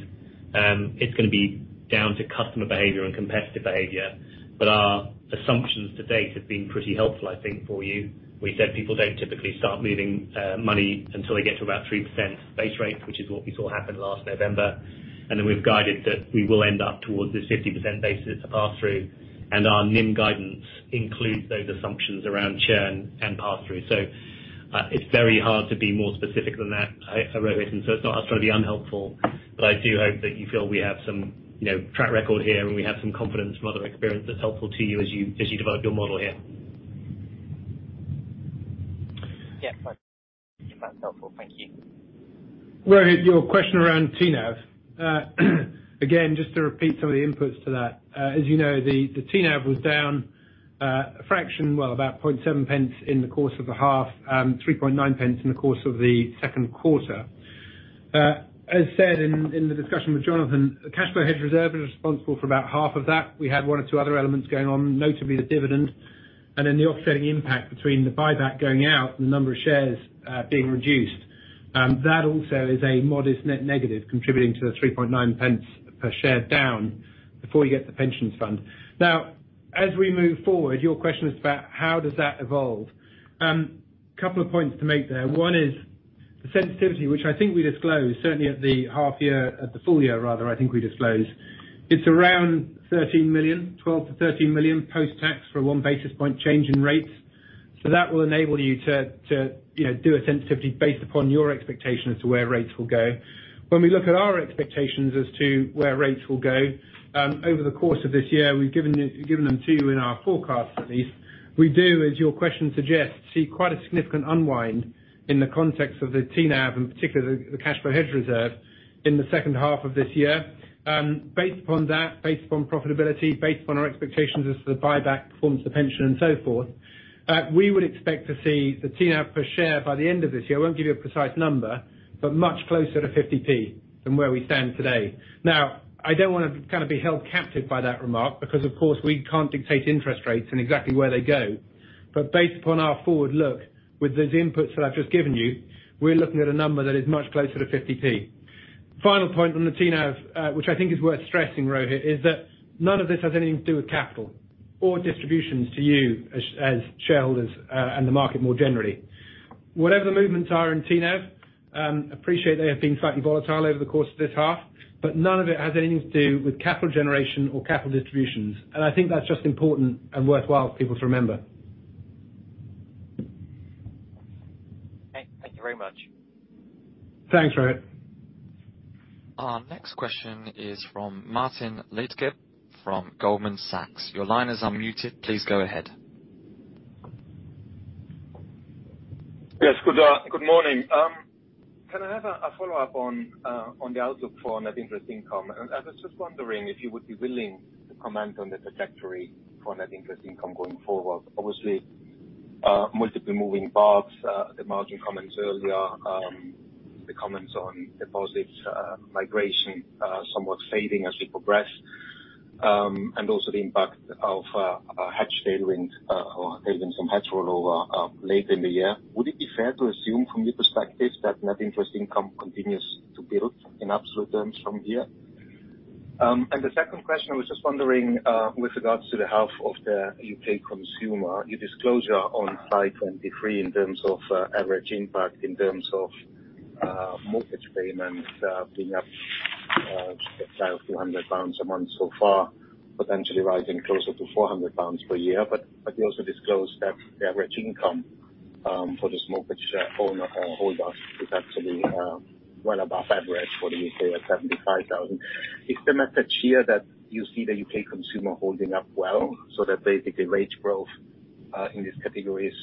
it's gonna be down to customer behavior and competitive behavior. Our assumptions to date have been pretty helpful, I think, for you. We said people don't typically start moving money until they get to about 3% base rate, which is what we saw happen last November. We've guided that we will end up towards the 50% basis pass-through, and our NIM guidance includes those assumptions around churn and pass-through. It's very hard to be more specific than that, Rohith. It's not to be unhelpful, but I do hope that you feel we have some, you know, track record here, and we have some confidence from other experience that's helpful to you as you, as you develop your model here. Yeah. That's helpful. Thank you. Rohith, your question around TNAV. Again, just to repeat some of the inputs to that. As you know, the TNAV was down, a fraction, well, about 0.07 in the course of the half, 0.039 in the course of the second quarter. As said in the discussion with Jonathan, the cash flow hedge reserve is responsible for about half of that. We had one or two other elements going on, notably the dividend, and then the offsetting impact between the buyback going out and the number of shares being reduced. That also is a modest net negative, contributing to the 0.039 per share down before you get to the pensions fund. As we move forward, your question is about how does that evolve? Couple of points to make there. One is the sensitivity, which I think we disclosed, certainly at the half year, at the full year rather, I think we disclosed. It's around 13 million, 12 million-13 million post-tax for a one basis point change in rates. That will enable you to, you know, do a sensitivity based upon your expectation as to where rates will go. When we look at our expectations as to where rates will go, over the course of this year, we've given them to you in our forecast, at least. We do, as your question suggests, see quite a significant unwind in the context of the TNAV, and particularly the cash flow hedge reserve in the second half of this year. Based upon that, based upon profitability, based upon our expectations as to the buyback performance of the pension and so forth, we would expect to see the TNAV per share by the end of this year, I won't give you a precise number, but much closer to 0.50 than where we stand today. I don't want to kind of be held captive by that remark, because, of course, we can't dictate interest rates and exactly where they go. Based upon our forward look, with those inputs that I've just given you, we're looking at a number that is much closer to 0.50. Final point on the TNAV, which I think is worth stressing, Rohith, is that none of this has anything to do with capital or distributions to you as shareholders and the market more generally. Whatever the movements are in TNAV, appreciate they have been slightly volatile over the course of this half, but none of it has anything to do with capital generation or capital distributions. I think that's just important and worthwhile for people to remember. Okay, thank you very much. Thanks, Rohith. Our next question is from Martin Leitgeb, from Goldman Sachs. Your line is unmuted, please go ahead. Yes, good good morning. Can I have a follow-up on the outlook for net interest income? I was just wondering if you would be willing to comment on the trajectory for net interest income going forward. Obviously, multiple moving parts, the margin comments earlier, the comments on deposits, migration, somewhat fading as we progress. Also the impact of a hedge tailwind, or tailwind from hedge rollover, late in the year. Would it be fair to assume, from your perspective, that net interest income continues to build in absolute terms from here? The second question, I was just wondering, with regards to the health of the U.K. consumer, you disclose your own slide 23, in terms of average impact, in terms of mortgage payments, being up just about 200 pounds a month so far, potentially rising closer to 400 pounds per year. You also disclosed that the average income for this mortgage share owner holder is actually well above average for the U.K at 75,000. Is the message here that you see the U.K. consumer holding up well, basically wage growth in this category is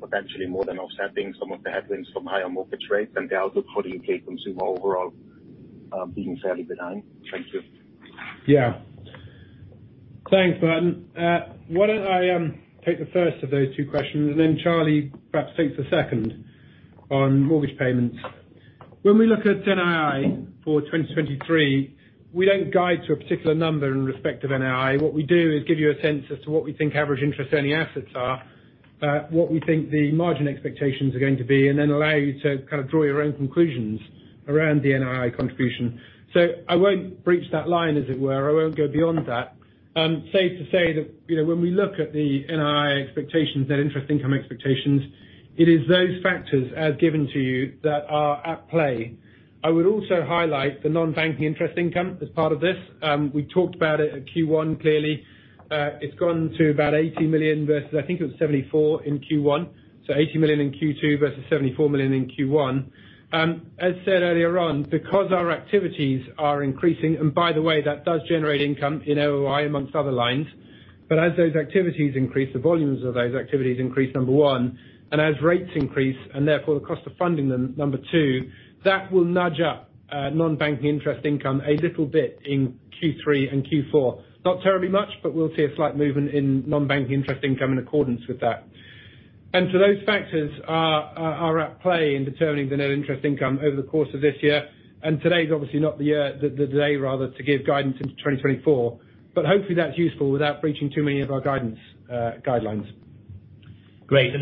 potentially more than offsetting some of the headwinds from higher mortgage rates and the outlook for the U.K. consumer overall being fairly benign? Thank you. Thanks, Martin. Why don't I take the first of those two questions, and then Charlie perhaps takes the second on mortgage payments. When we look at NII for 2023, we don't guide to a particular number in respect of NII. What we do is give you a sense as to what we think average interest earning assets are, what we think the margin expectations are going to be, and then allow you to kind of draw your own conclusions around the NII contribution. I won't breach that line, as it were. I won't go beyond that. Safe to say that, you know, when we look at the NII expectations, net interest income expectations, it is those factors, as given to you, that are at play. I would also highlight the non-banking interest income as part of this. We talked about it in Q1, clearly. It's gone to about 80 million versus, I think it was 74 million in Q1, so 80 million in Q2 versus 74 million in Q1. As said earlier on, because our activities are increasing... By the way, that does generate income in OOI, amongst other lines. As those activities increase, the volumes of those activities increase, number one, and as rates increase, and therefore the cost of funding them, number two, that will nudge up non-banking interest income a little bit in Q3 and Q4. Not terribly much, but we'll see a slight movement in non-banking interest income in accordance with that. Those factors are at play in determining the net interest income over the course of this year. Today's obviously not the year, the day rather, to give guidance into 2024, but hopefully that's useful without breaching too many of our guidance, guidelines. Great.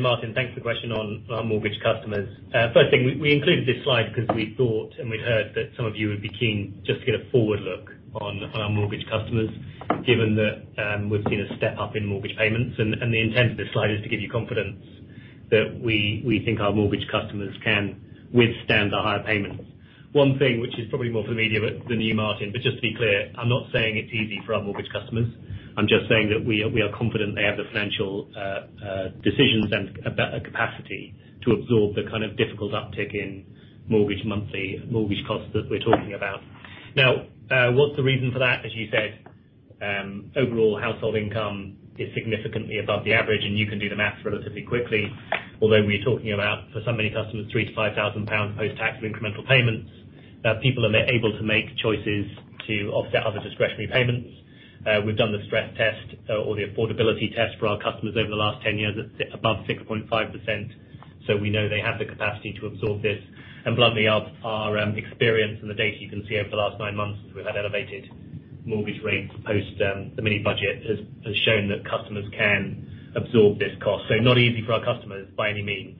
Martin, thanks for the question on our mortgage customers. First thing, we included this slide because we thought and we'd heard that some of you would be keen just to get a forward look on our mortgage customers, given that we've seen a step up in mortgage payments, and the intent of this slide is to give you confidence that we think our mortgage customers can withstand the higher payments. One thing, which is probably more for the media, but than you, Martin, but just to be clear, I'm not saying it's easy for our mortgage customers. I'm just saying that we are confident they have the financial decisions and a better capacity to absorb the kind of difficult uptick in mortgage costs that we're talking about. What's the reason for that? As you said, overall household income is significantly above the average, and you can do the math relatively quickly. Although we're talking about, for so many customers, 3,000-5,000 pounds post-tax incremental payments, people are then able to make choices to offset other discretionary payments. We've done the stress test, or the affordability test for our customers over the last 10 years at above 6.5%, so we know they have the capacity to absorb this. Bluntly, our experience and the data you can see over the last nine months since we've had elevated mortgage rates post, the mini budget has shown that customers can absorb this cost. Not easy for our customers by any means.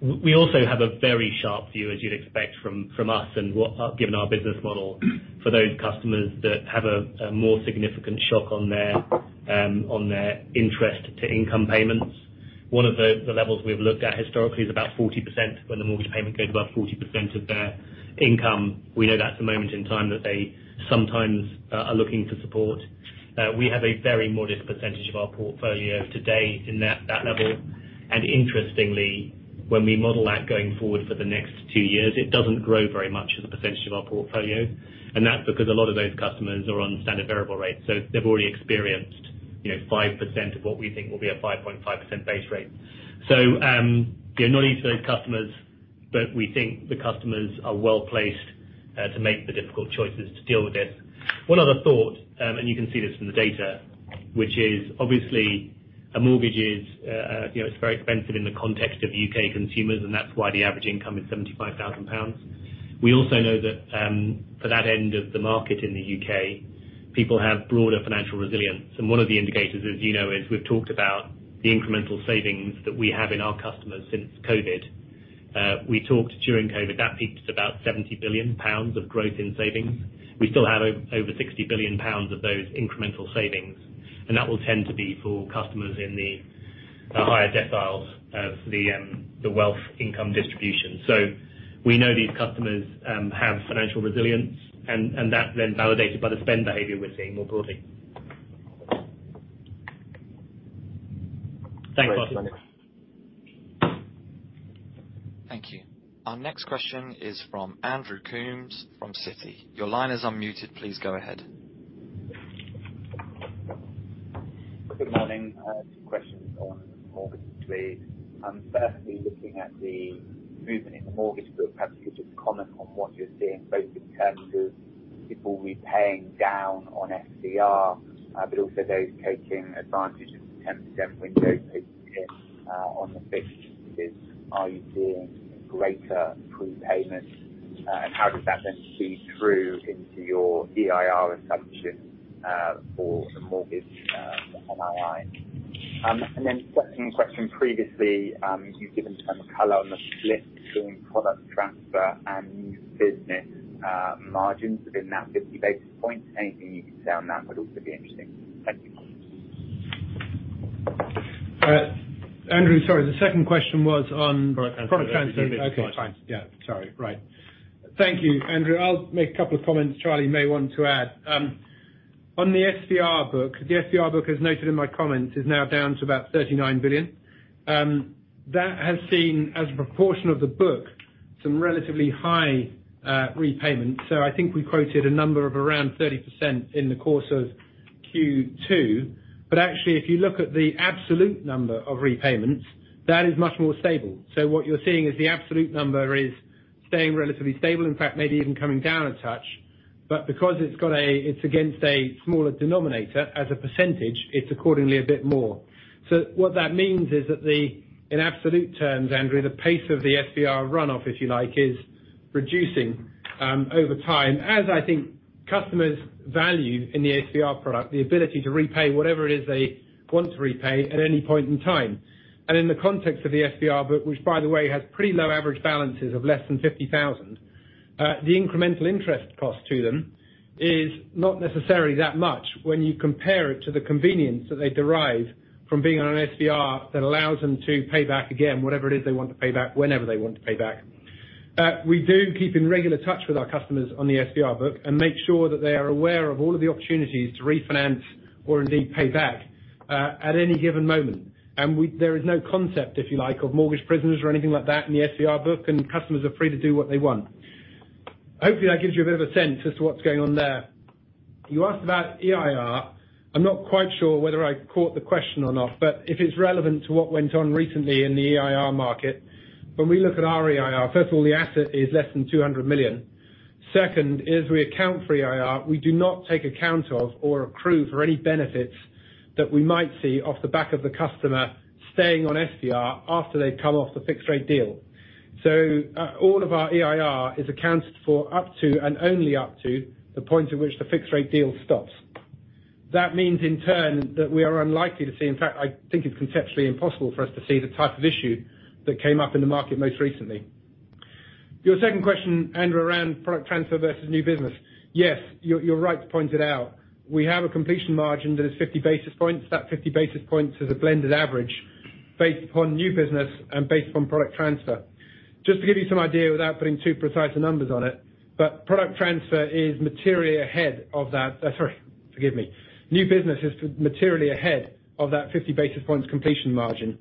We also have a very sharp view, as you'd expect from us and what, given our business model, for those customers that have a more significant shock on their interest to income payments. One of the levels we've looked at historically is about 40%. When the mortgage payment goes above 40% of their income, we know that's a moment in time that they sometimes are looking for support. We have a very modest percentage of our portfolio today in that level. Interestingly, when we model that going forward for the next two years, it doesn't grow very much as a percentage of our portfolio, and that's because a lot of those customers are on standard variable rates, so they've already experienced, you know, 5% of what we think will be a 5.5% base rate. You know, not easy for those customers, but we think the customers are well-placed to make the difficult choices to deal with this. One other thought, and you can see this from the data, which is obviously a mortgage is, you know, it's very expensive in the context of U.K. consumers, and that's why the average income is 75,000 pounds. We also know that for that end of the market in the UK, people have broader financial resilience. One of the indicators, as you know, is we've talked about the incremental savings that we have in our customers since COVID. We talked during COVID, that peaked about 70 billion pounds of growth in savings. We still have over 60 billion pounds of those incremental savings, and that will tend to be for customers in the higher deciles of the wealth income distribution. We know these customers have financial resilience. That's then validated by the spend behavior we're seeing more broadly. Thanks, Bobby. Thank you. Our next question is from Andrew Coombs, from Citi. Your line is unmuted, please go ahead. Good morning. I have two questions on mortgages, please. Firstly, looking at the movement in the mortgage book, perhaps you could just comment on what you're seeing both in terms of people repaying down on SVR, but also those taking advantage of the 10% window, on the fixed pieces. Are you seeing greater prepayment? How does that then feed through into your EIR assumption, for the mortgage, NII? Second question, previously, you've given some color on the split between product transfer and new business, margins within that 50 basis points. Anything you can say on that would also be interesting. Thank you. Andrew, sorry, the second question was on. Product transfer. Product transfer. Okay, fine. Yeah. Sorry, right. Thank you, Andrew. I'll make a couple of comments, Charlie may want to add. On the SVR book, as noted in my comments, is now down to about 39 billion. That has seen, as a proportion of the book, some relatively high repayments. I think we quoted a number of around 30% in the course of Q2. Actually, if you look at the absolute number of repayments, that is much more stable. What you're seeing is the absolute number is staying relatively stable, in fact, maybe even coming down a touch. Because it's against a smaller denominator as a percentage, it's accordingly a bit more. What that means is that the... In absolute terms, Andrew, the pace of the SVR runoff, if you like, is reducing over time, as I think customers value in the SVR product, the ability to repay whatever it is they want to repay at any point in time. In the context of the SVR book, which, by the way, has pretty low average balances of less than 50,000, the incremental interest cost to them is not necessarily that much when you compare it to the convenience that they derive from being on an SVR that allows them to pay back again, whatever it is they want to pay back, whenever they want to pay back. We do keep in regular touch with our customers on the SVR book and make sure that they are aware of all of the opportunities to refinance or indeed pay back at any given moment. There is no concept, if you like, of mortgage prisoners or anything like that in the SVR book, and customers are free to do what they want. Hopefully, that gives you a bit of a sense as to what's going on there. You asked about EIR. I'm not quite sure whether I caught the question or not, but if it's relevant to what went on recently in the EIR market, when we look at our EIR, first of all, the asset is less than 200 million. Second, as we account for EIR, we do not take account of or accrue for any benefits that we might see off the back of the customer staying on SVR after they've come off the fixed rate deal. All of our EIR is accounted for up to, and only up to, the point in which the fixed rate deal stops. That means in turn, that we are unlikely to see, in fact, I think it's conceptually impossible for us to see the type of issue that came up in the market most recently. Your second question, Andrew, around product transfer versus new business. You're right to point it out. We have a completion margin that is 50 basis points. That 50 basis points is a blended average based upon new business and based upon product transfer. Just to give you some idea, without putting too precise a numbers on it, product transfer is materially ahead of that... sorry, forgive me. New business is materially ahead of that 50 basis points completion margin.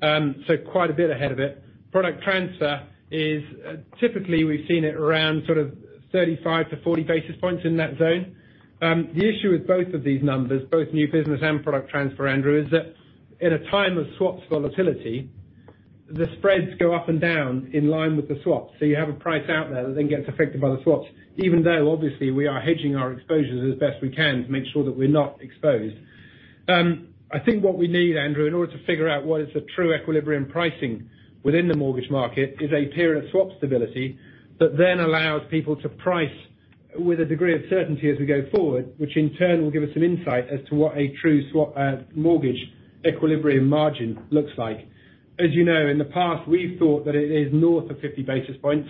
Quite a bit ahead of it. Product transfer is, typically, we've seen it around sort of 35-40 basis points in that zone. The issue with both of these numbers, both new business and product transfer, Andrew, is that in a time of swap volatility, the spreads go up and down in line with the swap. You have a price out there that then gets affected by the swaps, even though obviously we are hedging our exposures as best we can to make sure that we're not exposed. I think what we need, Andrew, in order to figure out what is the true equilibrium pricing within the mortgage market, is a period of swap stability that then allows people to price with a degree of certainty as we go forward, which in turn will give us some insight as to what a true swap, mortgage equilibrium margin looks like. As you know, in the past, we've thought that it is north of 50 basis points.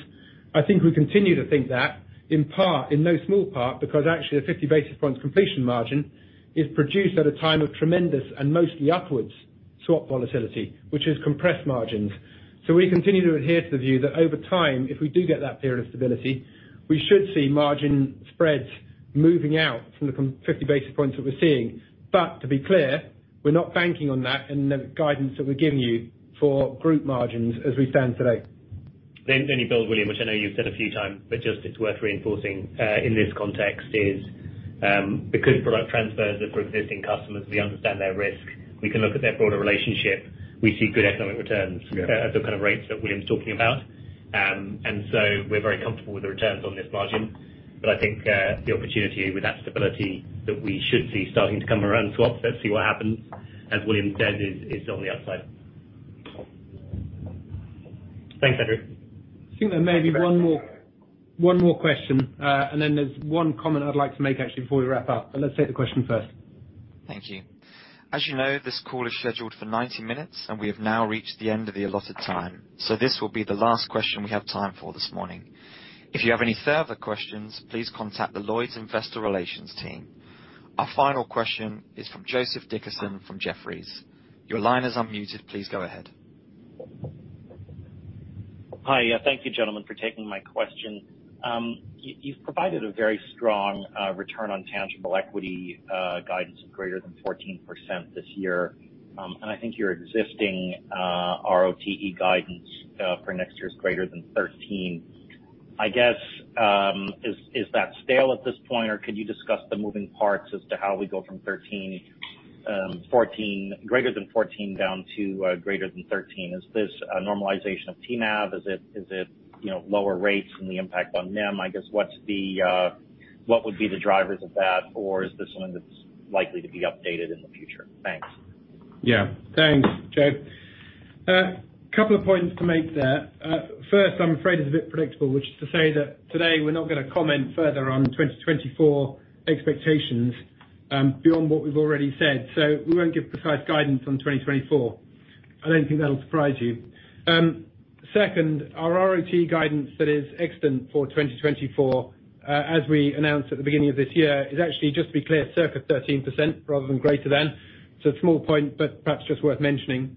I think we continue to think that, in part, in no small part, because actually the 50 basis points completion margin is produced at a time of tremendous and mostly upwards swap volatility, which is compressed margins. We continue to adhere to the view that over time, if we do get that period of stability, we should see margin spreads moving out from the 50 basis points that we're seeing. To be clear, we're not banking on that in the guidance that we're giving you for group margins as we stand today. William, which I know you've said a few times, but just it's worth reinforcing, in this context is, because product transfers are for existing customers, we understand their risk. We can look at their broader relationship. We see good economic returns at the kind of rates that William's talking about. We're very comfortable with the returns on this margin. I think the opportunity with that stability that we should see starting to come around to offset, see what happens, as William said, on the upside. Thanks, Andrew. I think there may be one more question. Then there's one comment I'd like to make actually before we wrap up. Let's take the question first. Thank you. As you know, this call is scheduled for 90 minutes, we have now reached the end of the allotted time. This will be the last question we have time for this morning. If you have any further questions, please contact the Lloyds investor relations team. Our final question is from Joseph Dickerson from Jefferies. Your line is unmuted. Please go ahead. Hi. Thank you, gentlemen, for taking my question. You've provided a very strong return on tangible equity guidance of greater than 14% this year. I think your existing ROTE guidance for next year is greater than 13. I guess, is that stale at this point, or could you discuss the moving parts as to how we go from 13, greater than 14 down to greater than 13? Is this a normalization of TNAV? Is it, you know, lower rates and the impact on NIM? I guess, what's the, what would be the drivers of that, or is this one that's likely to be updated in the future? Thanks. Yeah. Thanks, Joe. Couple of points to make there. First, I'm afraid it's a bit predictable, which is to say that today we're not going to comment further on 2024 expectations, beyond what we've already said. We won't give precise guidance on 2024. I don't think that'll surprise you. Second, our ROTE guidance that is extant for 2024, as we announced at the beginning of this year, is actually, just to be clear, circa 13% rather than greater than. A small point, but perhaps just worth mentioning.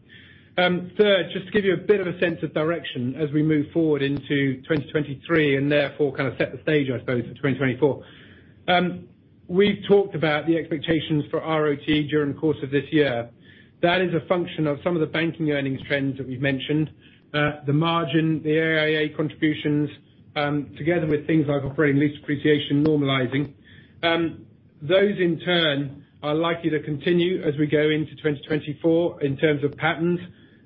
Third, just to give you a bit of a sense of direction as we move forward into 2023, and therefore, kind of set the stage, I suppose, for 2024. We've talked about the expectations for ROTE during the course of this year. That is a function of some of the banking earnings trends that we've mentioned. The margin, the AIA contributions, together with things like operating lease appreciation normalizing. Those in turn, are likely to continue as we go into 2024 in terms of patterns.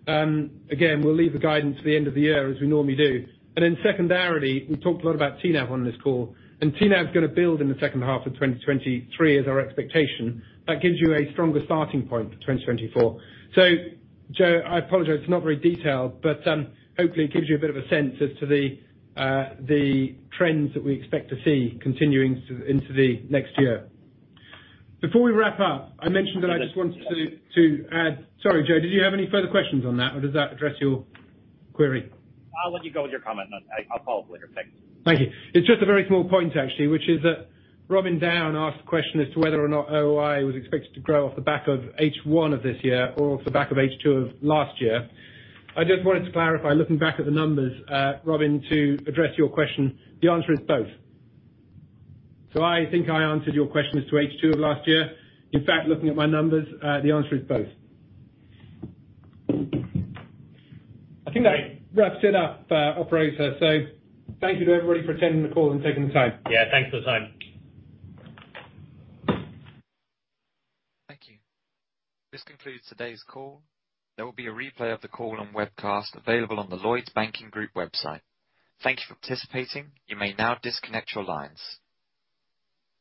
Again, we'll leave the guidance to the end of the year, as we normally do. Secondarily, we talked a lot about TNAV on this call, and TNAV is going to build in the second half of 2023, is our expectation. That gives you a stronger starting point for 2024. Joe, I apologize, it's not very detailed, but hopefully it gives you a bit of a sense as to the trends that we expect to see continuing into the next year. Before we wrap up, I mentioned that I just wanted to add... Sorry, Joe, did you have any further questions on that, or does that address your query? I'll let you go with your comment. I'll follow up later. Thanks. Thank you. It's just a very small point, actually, which is that Robin Down asked a question as to whether or not OI was expected to grow off the back of H1 of this year or off the back of H2 of last year. I just wanted to clarify, looking back at the numbers, Robin, to address your question, the answer is both. I think I answered your question as to H2 of last year. In fact, looking at my numbers, the answer is both. I think that wraps it up, operator. Thank you to everybody for attending the call and taking the time. Yeah, thanks for the time. Thank you. This concludes today's call. There will be a replay of the call and webcast available on the Lloyds Banking Group website. Thank you for participating. You may now disconnect your lines.